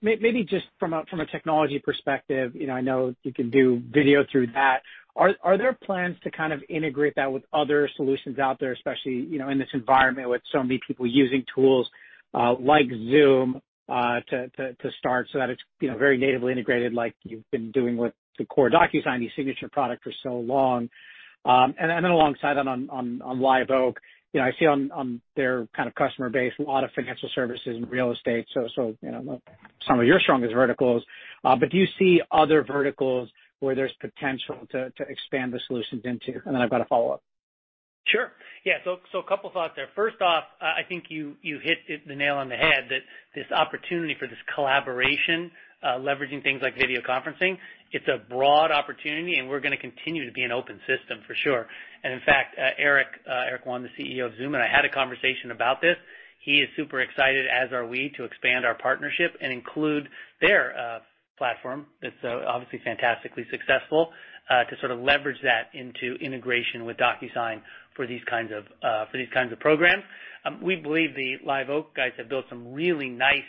Maybe just from a technology perspective, I know you can do video through that. Are there plans to kind of integrate that with other solutions out there, especially in this environment with so many people using tools like Zoom to start so that it's very natively integrated like you've been doing with the core DocuSign eSignature product for so long? Alongside that on Live Oak, I see on their kind of customer base, a lot of financial services and real estate, so some of your strongest verticals. Do you see other verticals where there's potential to expand the solutions into? I've got a follow-up. Sure. Yeah. A couple thoughts there. First off, I think you hit the nail on the head that this opportunity for this collaboration, leveraging things like video conferencing, it's a broad opportunity, and we're going to continue to be an open system for sure. In fact, Eric Yuan, the CEO of Zoom, and I had a conversation about this. He is super excited, as are we, to expand our partnership and include their platform that's obviously fantastically successful, to sort of leverage that into integration with DocuSign for these kinds of programs. We believe the Liveoak guys have built some really nice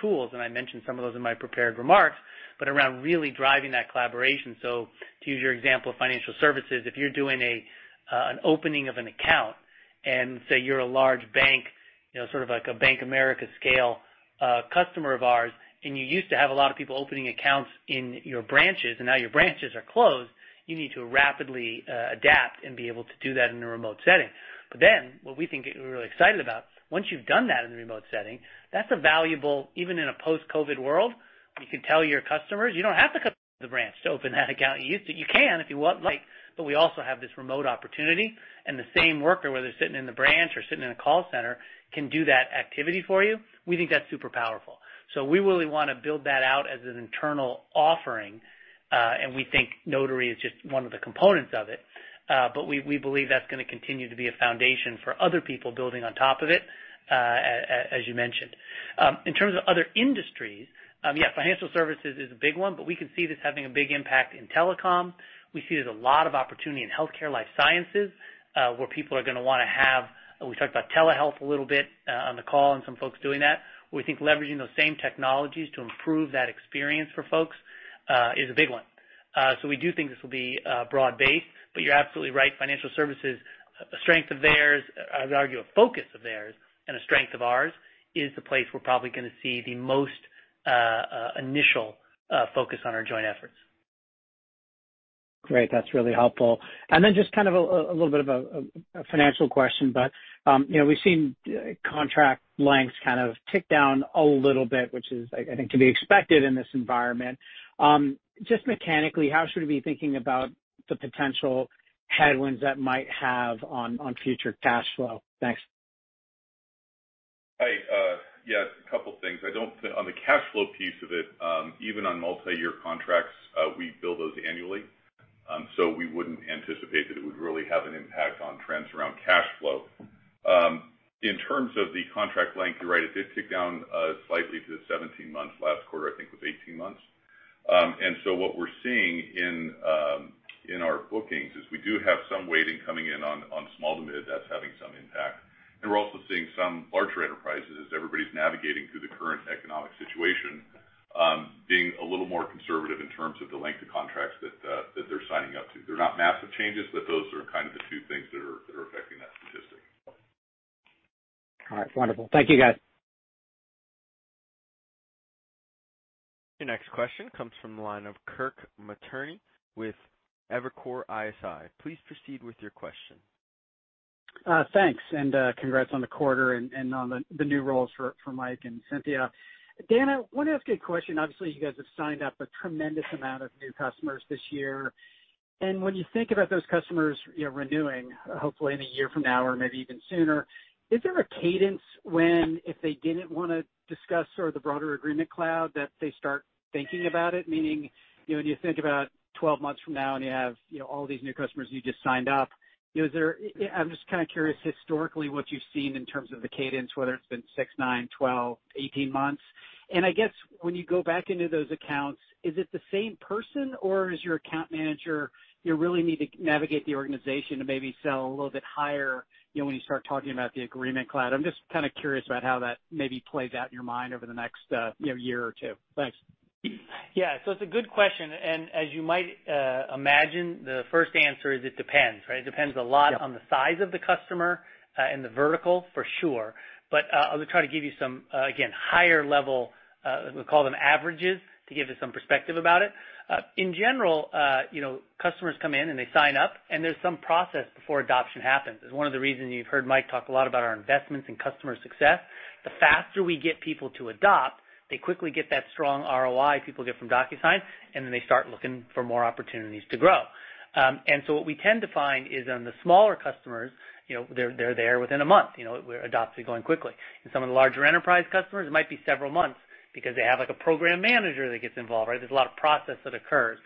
tools, and I mentioned some of those in my prepared remarks, but around really driving that collaboration. To use your example of financial services, if you're doing an opening of an account and say you're a large bank, sort of like a Bank of America scale customer of ours, and you used to have a lot of people opening accounts in your branches, and now your branches are closed. You need to rapidly adapt and be able to do that in a remote setting. What we're really excited about, once you've done that in the remote setting, that's valuable, even in a post-COVID world, you can tell your customers, "You don't have to come to the branch to open that account. You can if you want, but we also have this remote opportunity." The same worker, whether sitting in the branch or sitting in a call center, can do that activity for you. We think that's super powerful. We really want to build that out as an internal offering, and we think Notary is just one of the components of it. We believe that's going to continue to be a foundation for other people building on top of it, as you mentioned. In terms of other industries, yeah, financial services is a big one, but we can see this having a big impact in telecom. We see there's a lot of opportunity in healthcare, life sciences, where people are going to want to have, we talked about telehealth a little bit on the call and some folks doing that. We think leveraging those same technologies to improve that experience for folks is a big one. We do think this will be broad-based, but you're absolutely right. Financial services, a strength of theirs, I would argue a focus of theirs and a strength of ours, is the place we're probably going to see the most initial focus on our joint efforts. Great. That's really helpful. Then just kind of a little bit of a financial question, but we've seen contract lengths kind of tick down a little bit, which is, I think, can be expected in this environment. Just mechanically, how should we be thinking about the potential headwinds that might have on future cash flow? Thanks. Yeah, a couple of things. On the cash flow piece of it, even on multi-year contracts, we bill those annually. We wouldn't anticipate that it would really have an impact on trends around cash flow. In terms of the contract length, you're right, it did tick down slightly to 17 months. Last quarter, I think, was 18 months. What we're seeing in our bookings is we do have some weighting coming in on small to mid that's having some impact. We're also seeing some larger enterprises, as everybody's navigating through the current economic situation, being a little more conservative in terms of the length of contracts that they're signing up to. They're not massive changes, but those are kind of the two things that are affecting that statistic. All right. Wonderful. Thank you, guys. Your next question comes from the line of Kirk Materne with Evercore ISI. Please proceed with your question. Thanks. Congrats on the quarter and on the new roles for Mike and Cynthia. Dan, I want to ask a question. Obviously, you guys have signed up a tremendous amount of new customers this year, and when you think about those customers renewing, hopefully in a year from now or maybe even sooner, is there a cadence when, if they didn't want to discuss the broader DocuSign Agreement Cloud, that they start thinking about it? Meaning, when you think about 12 months from now and you have all these new customers you just signed up, I'm just kind of curious historically what you've seen in terms of the cadence, whether it's been 6, 9, 12, 18 months. I guess when you go back into those accounts, is it the same person, or is your account manager, you really need to navigate the organization to maybe sell a little bit higher when you start talking about the Agreement Cloud? I'm just kind of curious about how that maybe plays out in your mind over the next year or two. Thanks. It's a good question, and as you might imagine, the first answer is it depends, right? It depends a lot on the size of the customer and the vertical, for sure. I'm going to try to give you some, again, higher level, we'll call them averages, to give you some perspective about it. In general, customers come in and they sign up, and there's some process before adoption happens. It's one of the reasons you've heard Mike talk a lot about our investments in customer success. The faster we get people to adopt, they quickly get that strong ROI people get from DocuSign, and then they start looking for more opportunities to grow. What we tend to find is on the smaller customers, they're there within a month. Adopts are going quickly. In some of the larger enterprise customers, it might be several months because they have a program manager that gets involved. There's a lot of process that occurs.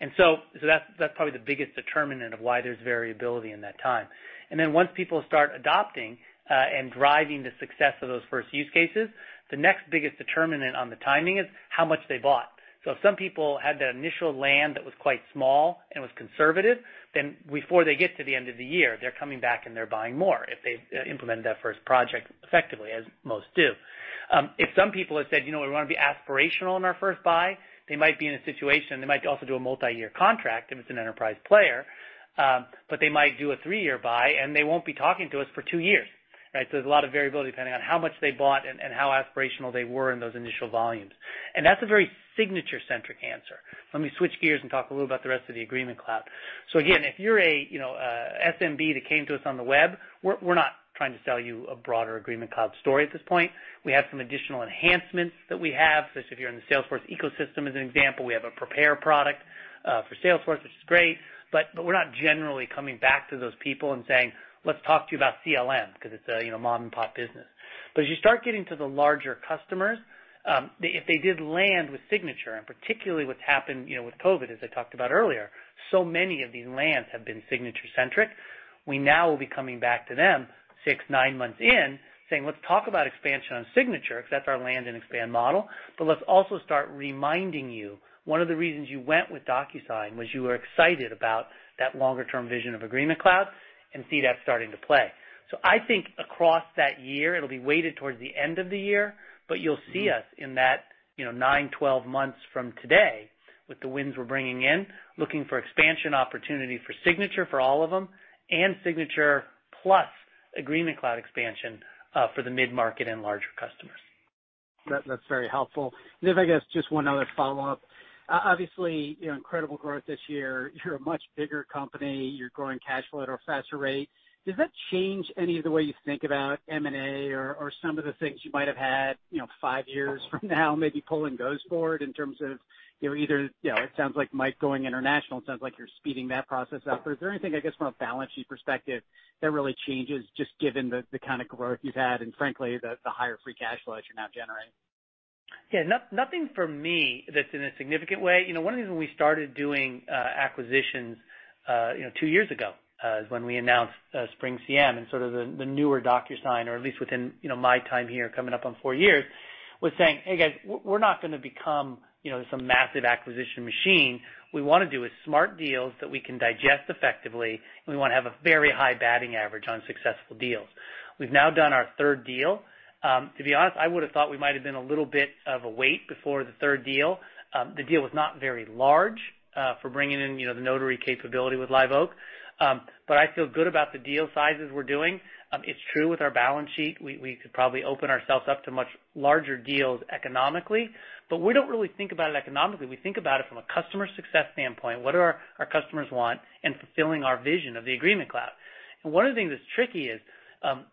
That's probably the biggest determinant of why there's variability in that time. Once people start adopting and driving the success of those first use cases, the next biggest determinant on the timing is how much they bought. If some people had that initial land that was quite small and was conservative, then before they get to the end of the year, they're coming back and they're buying more if they've implemented that first project effectively, as most do. If some people have said, "We want to be aspirational in our first buy," they might be in a situation, they might also do a multi-year contract if it's an enterprise player, but they might do a three-year buy, and they won't be talking to us for two years. There's a lot of variability depending on how much they bought and how aspirational they were in those initial volumes. That's a very signature-centric answer. Let me switch gears and talk a little about the rest of the Agreement Cloud. Again, if you're a SMB that came to us on the web, we're not trying to sell you a broader Agreement Cloud story at this point. We have some additional enhancements that we have, such as if you're in the Salesforce ecosystem, as an example, we have a prepare product for Salesforce, which is great. We're not generally coming back to those people and saying, "Let's talk to you about CLM," because it's a mom-and-pop business. As you start getting to the larger customers, if they did land with Signature, and particularly what's happened with COVID-19, as I talked about earlier, so many of these lands have been Signature-centric. We now will be coming back to them six, nine months in, saying, "Let's talk about expansion on Signature," because that's our land and expand model, "Let's also start reminding you one of the reasons you went with DocuSign was you were excited about that longer term vision of Agreement Cloud" and see that starting to play. I think across that year, it'll be weighted towards the end of the year, but you'll see us in that 9-12 months from today with the wins we're bringing in, looking for expansion opportunity for eSignature for all of them, and eSignature plus DocuSign Agreement Cloud expansion for the mid-market and larger customers. That's very helpful. If I guess just one other follow-up, obviously, incredible growth this year. You're a much bigger company. You're growing cash flow at a faster rate. Does that change any of the way you think about M&A or some of the things you might have had, five years from now, maybe pulling ghost board in terms of either, it sounds like Mike going international, it sounds like you're speeding that process up. Or is there anything, I guess, from a balance sheet perspective that really changes just given the kind of growth you've had and frankly, the higher free cash flow that you're now generating? Yeah. Nothing for me that's in a significant way. One of the reasons we started doing acquisitions two years ago, is when we announced SpringCM and sort of the newer DocuSign, or at least within my time here coming up on four years, was saying, "Hey, guys, we're not going to become some massive acquisition machine. We want to do is smart deals that we can digest effectively, and we want to have a very high batting average on successful deals." We've now done our third deal. To be honest, I would've thought we might have been a little bit of a wait before the third deal. The deal was not very large, for bringing in the notary capability with Liveoak. I feel good about the deal sizes we're doing. It's true with our balance sheet, we could probably open ourselves up to much larger deals economically, but we don't really think about it economically. We think about it from a customer success standpoint, what do our customers want, and fulfilling our vision of the Agreement Cloud. One of the things that's tricky is,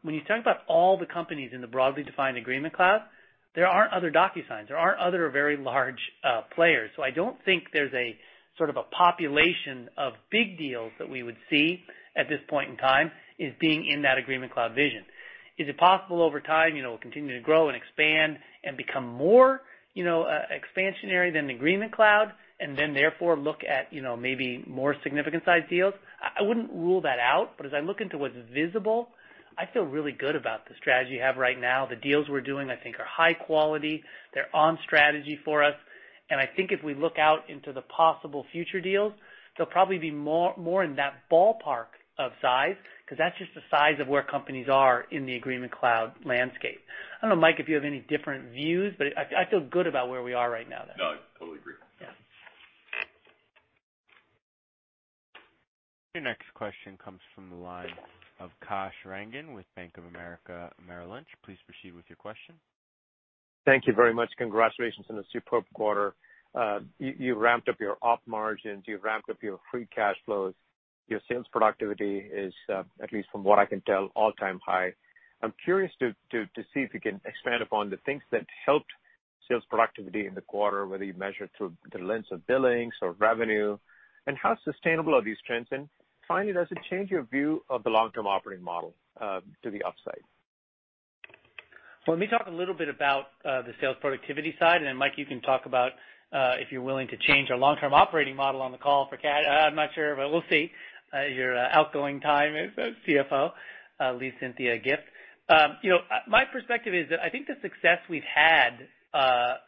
when you talk about all the companies in the broadly defined Agreement Cloud, there aren't other DocuSigns. There aren't other very large players. I don't think there's a sort of a population of big deals that we would see at this point in time as being in that Agreement Cloud vision. Is it possible over time, we'll continue to grow and expand and become more expansionary than the Agreement Cloud, and then therefore look at maybe more significant size deals? I wouldn't rule that out, but as I look into what's visible, I feel really good about the strategy we have right now. The deals we're doing, I think are high quality. They're on strategy for us. I think if we look out into the possible future deals, they'll probably be more in that ballpark of size, because that's just the size of where companies are in the Agreement Cloud landscape. I don't know, Mike, if you have any different views, but I feel good about where we are right now though. No, I totally agree. Yeah. Your next question comes from the line of Kash Rangan with Bank of America, Merrill Lynch. Please proceed with your question. Thank you very much. Congratulations on the superb quarter. You ramped up your op margins, you ramped up your free cash flows, your sales productivity is, at least from what I can tell, all-time high. I'm curious to see if you can expand upon the things that helped sales productivity in the quarter, whether you measure through the lens of billings or revenue, and how sustainable are these trends? Finally, does it change your view of the long-term operating model, to the upside? Let me talk a little bit about the sales productivity side, and then Mike, you can talk about, if you're willing to change our long-term operating model on the call for Kash. I'm not sure, but we'll see, your outgoing time as CFO, Cynthia Gaylor. My perspective is that I think the success we've had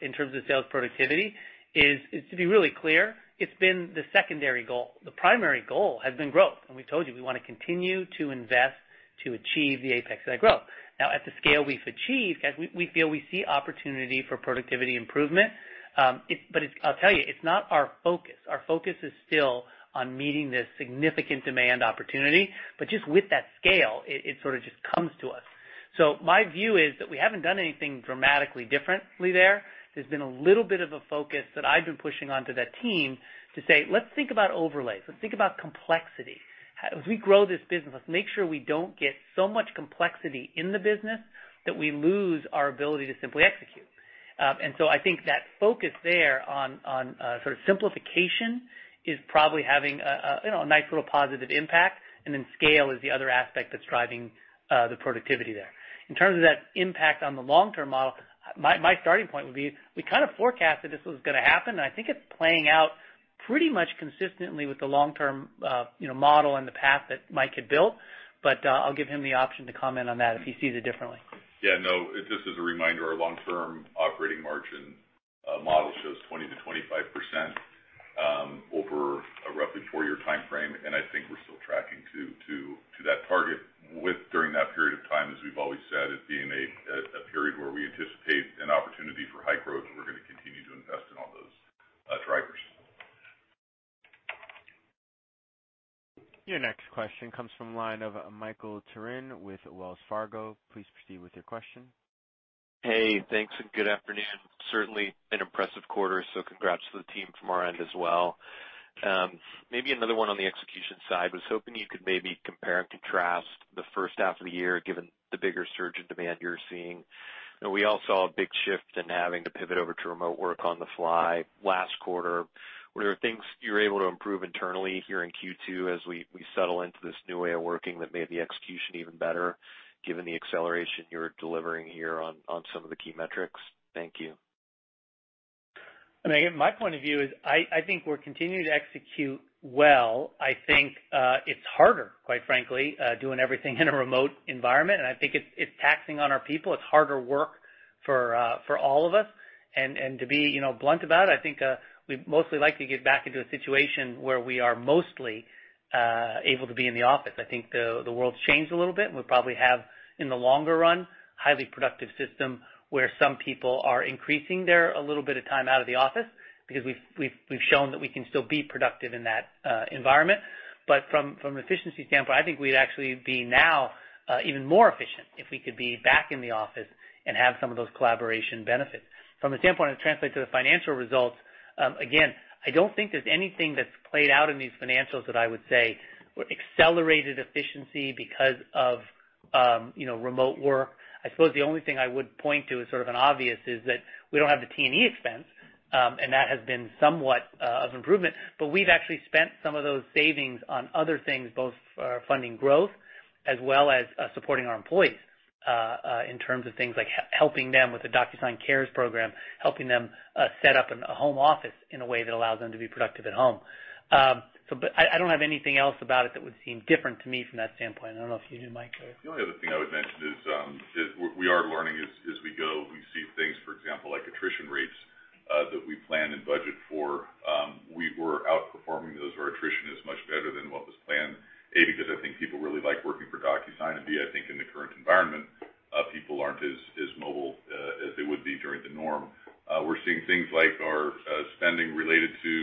in terms of sales productivity is to be really clear, it's been the secondary goal. The primary goal has been growth. We've told you we want to continue to invest to achieve the apex of that growth. At the scale we've achieved, Kash, we feel we see opportunity for productivity improvement. I'll tell you, it's not our focus. Our focus is still on meeting this significant demand opportunity, but just with that scale, it sort of just comes to us. My view is that we haven't done anything dramatically differently there. There's been a little bit of a focus that I've been pushing onto that team to say, "Let's think about overlays. Let's think about complexity. As we grow this business, let's make sure we don't get so much complexity in the business that we lose our ability to simply execute." I think that focus there on sort of simplification is probably having a nice little positive impact. Scale is the other aspect that's driving the productivity there. In terms of that impact on the long-term model, my starting point would be, we kind of forecasted this was going to happen, and I think it's playing out pretty much consistently with the long-term model and the path that Mike had built. I'll give him the option to comment on that if he sees it differently. No, just as a reminder, our long-term operating margin model shows 20%-25% over a roughly four-year timeframe, and I think we're still tracking to that target with during that period of time, as we've always said, it being a period where we anticipate an opportunity for high growth, and we're going to continue to invest in all those drivers. Your next question comes from the line of Michael Turrin with Wells Fargo. Please proceed with your question. Hey, thanks good afternoon. Certainly an impressive quarter. Congrats to the team from our end as well. Maybe another one on the execution side. Was hoping you could maybe compare and contrast the first half of the year, given the bigger surge in demand you're seeing. We all saw a big shift in having to pivot over to remote work on the fly last quarter. What are things you were able to improve internally here in Q2 as we settle into this new way of working that made the execution even better given the acceleration you're delivering here on some of the key metrics? Thank you. My point of view is I think we're continuing to execute well. I think, it's harder, quite frankly, doing everything in a remote environment, and I think it's taxing on our people. It's harder work for all of us. To be blunt about it, I think we'd mostly like to get back into a situation where we are mostly able to be in the office. I think the world's changed a little bit, and we probably have, in the longer run, highly productive system where some people are increasing their a little bit of time out of the office because we've shown that we can still be productive in that environment. From an efficiency standpoint, I think we'd actually be now even more efficient if we could be back in the office and have some of those collaboration benefits. From the standpoint of translate to the financial results, again, I don't think there's anything that's played out in these financials that I would say accelerated efficiency because of remote work. I suppose the only thing I would point to as sort of an obvious is that we don't have the T&E expense, and that has been somewhat of improvement. We've actually spent some of those savings on other things, both funding growth as well as supporting our employees, in terms of things like helping them with the DocuSign IMPACT program, helping them set up a home office in a way that allows them to be productive at home. I don't have anything else about it that would seem different to me from that standpoint. I don't know if you do, Mike. The only other thing I would mention is we are learning as we go. We see things, for example, like attrition rates that we plan and budget for. We were outperforming those where attrition is much better than what was planned. A, because I think people really like working for DocuSign, and B, I think in the current environment, people aren't as mobile as they would be during the norm. We're seeing things like our spending related to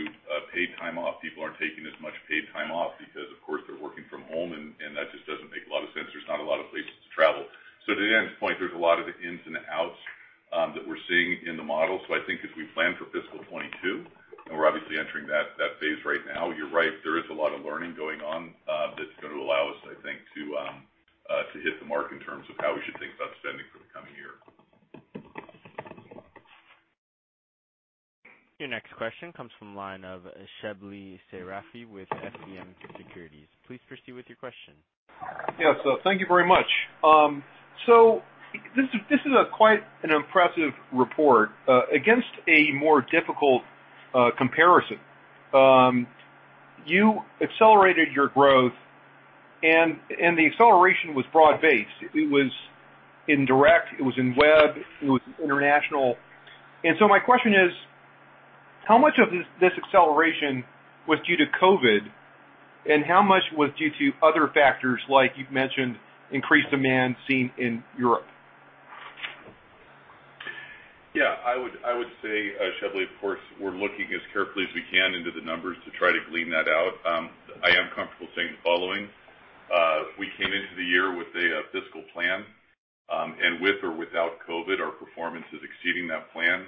paid time off. People aren't taking as much paid time off because, of course, they're working from home, and that just doesn't make a lot of sense. There's not a lot of places to travel. To Dan's point, there's a lot of the ins and outs that we're seeing in the model. I think as we plan for fiscal 2022, and we're obviously entering that phase right now, you're right, there is a lot of learning going on that's going to allow us, I think, to hit the mark in terms of how we should think about spending for the coming year. Your next question comes from the line of Shebly Seyrafi with FBN Securities. Please proceed with your question. Yes, thank you very much. This is quite an impressive report. Against a more difficult comparison, you accelerated your growth, and the acceleration was broad-based. It was in direct, it was in web, it was international. My question is, how much of this acceleration was due to COVID, and how much was due to other factors like you've mentioned, increased demand seen in Europe? Yeah, I would say, Sterling, of course, we're looking as carefully as we can into the numbers to try to glean that out. I am comfortable saying the following. We came into the year with a fiscal plan, and with or without COVID-19, our performance is exceeding that plan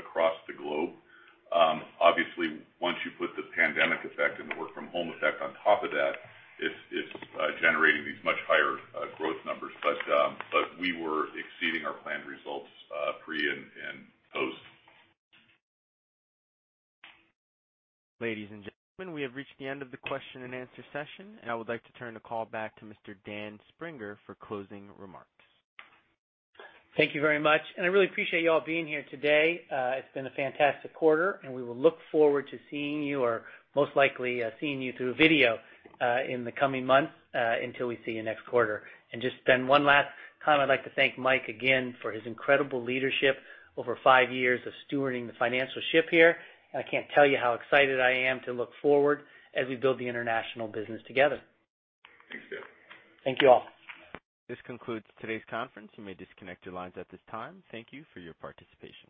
across the globe. Obviously, once you put the pandemic effect and the work from home effect on top of that, it's generating these much higher growth numbers. But we were exceeding our planned results pre and post. Ladies and gentlemen, we have reached the end of the question and answer session, and I would like to turn the call back to Mr. Dan Springer for closing remarks. Thank you very much, and I really appreciate you all being here today. It's been a fantastic quarter, and we will look forward to seeing you, or most likely seeing you through video, in the coming months until we see you next quarter. Just then one last comment, I'd like to thank Mike again for his incredible leadership over five years of stewarding the financial ship here, and I can't tell you how excited I am to look forward as we build the international business together. Thanks, Dan. Thank you all. This concludes today's conference. You may disconnect your lines at this time. Thank you for your participation.